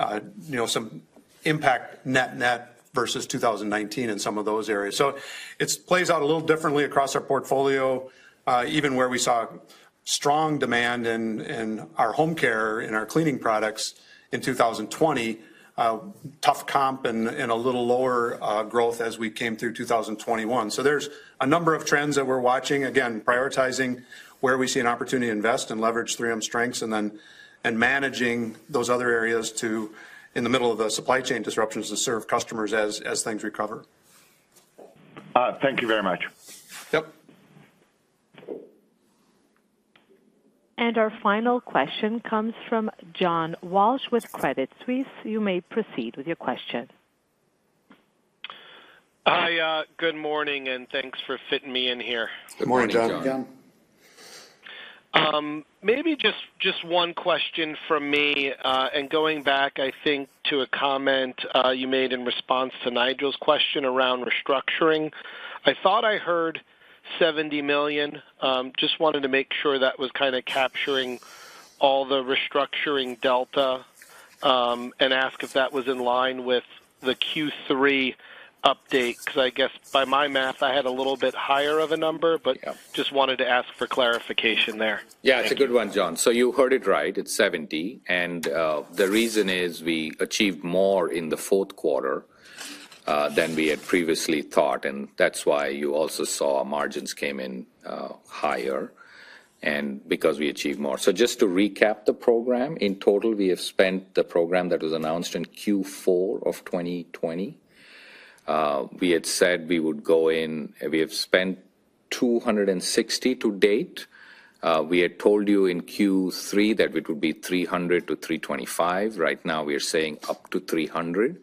you know, some impact net-net versus 2019 in some of those areas. It plays out a little differently across our portfolio, even where we saw strong demand in our home care and our cleaning products in 2020, tough comp and a little lower growth as we came through 2021. There's a number of trends that we're watching. Again, prioritizing where we see an opportunity to invest and leverage 3M strengths and managing those other areas in the middle of the supply chain disruptions to serve customers as things recover. Thank you very much. Yep. Our final question comes from John Walsh with Credit Suisse. You may proceed with your question. Hi, good morning, and thanks for fitting me in here. Good morning, John. Good morning, John. Maybe just one question from me, and going back, I think, to a comment you made in response to Nigel's question around restructuring. I thought I heard $70 million. Just wanted to make sure that was kinda capturing all the restructuring delta, and ask if that was in line with the Q3 update. 'Cause I guess by my math, I had a little bit higher of a number, but- Yeah. Just wanted to ask for clarification there. Yeah. Thank you. It's a good one, John. You heard it right, it's $70 million. The reason is we achieved more in the fourth quarter than we had previously thought, and that's why you also saw margins came in higher, and because we achieved more. Just to recap the program, in total, we have spent the program that was announced in Q4 of 2020. We had said we have spent 260 to date. We had told you in Q3 that it would be $300 million-$325 million. Right now we are saying up to $300 million.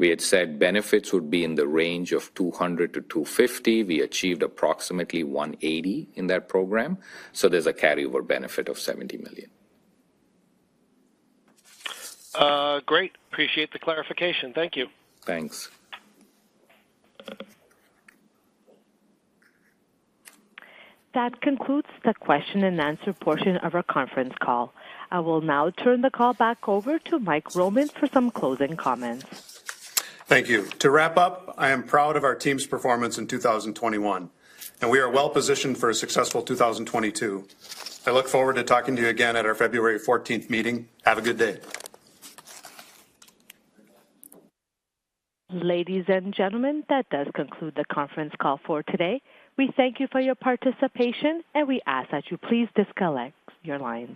We had said benefits would be in the range of $200 million-$250 million. We achieved approximately $180 million in that program, so there's a carryover benefit of $70 million. Great. Appreciate the clarification. Thank you. Thanks. That concludes the question and answer portion of our conference call. I will now turn the call back over to Mike Roman for some closing comments. Thank you. To wrap up, I am proud of our team's performance in 2021, and we are well-positioned for a successful 2022. I look forward to talking to you again at our February fourteenth meeting. Have a good day. Ladies and gentlemen, that does conclude the conference call for today. We thank you for your participation, and we ask that you please disconnect your lines.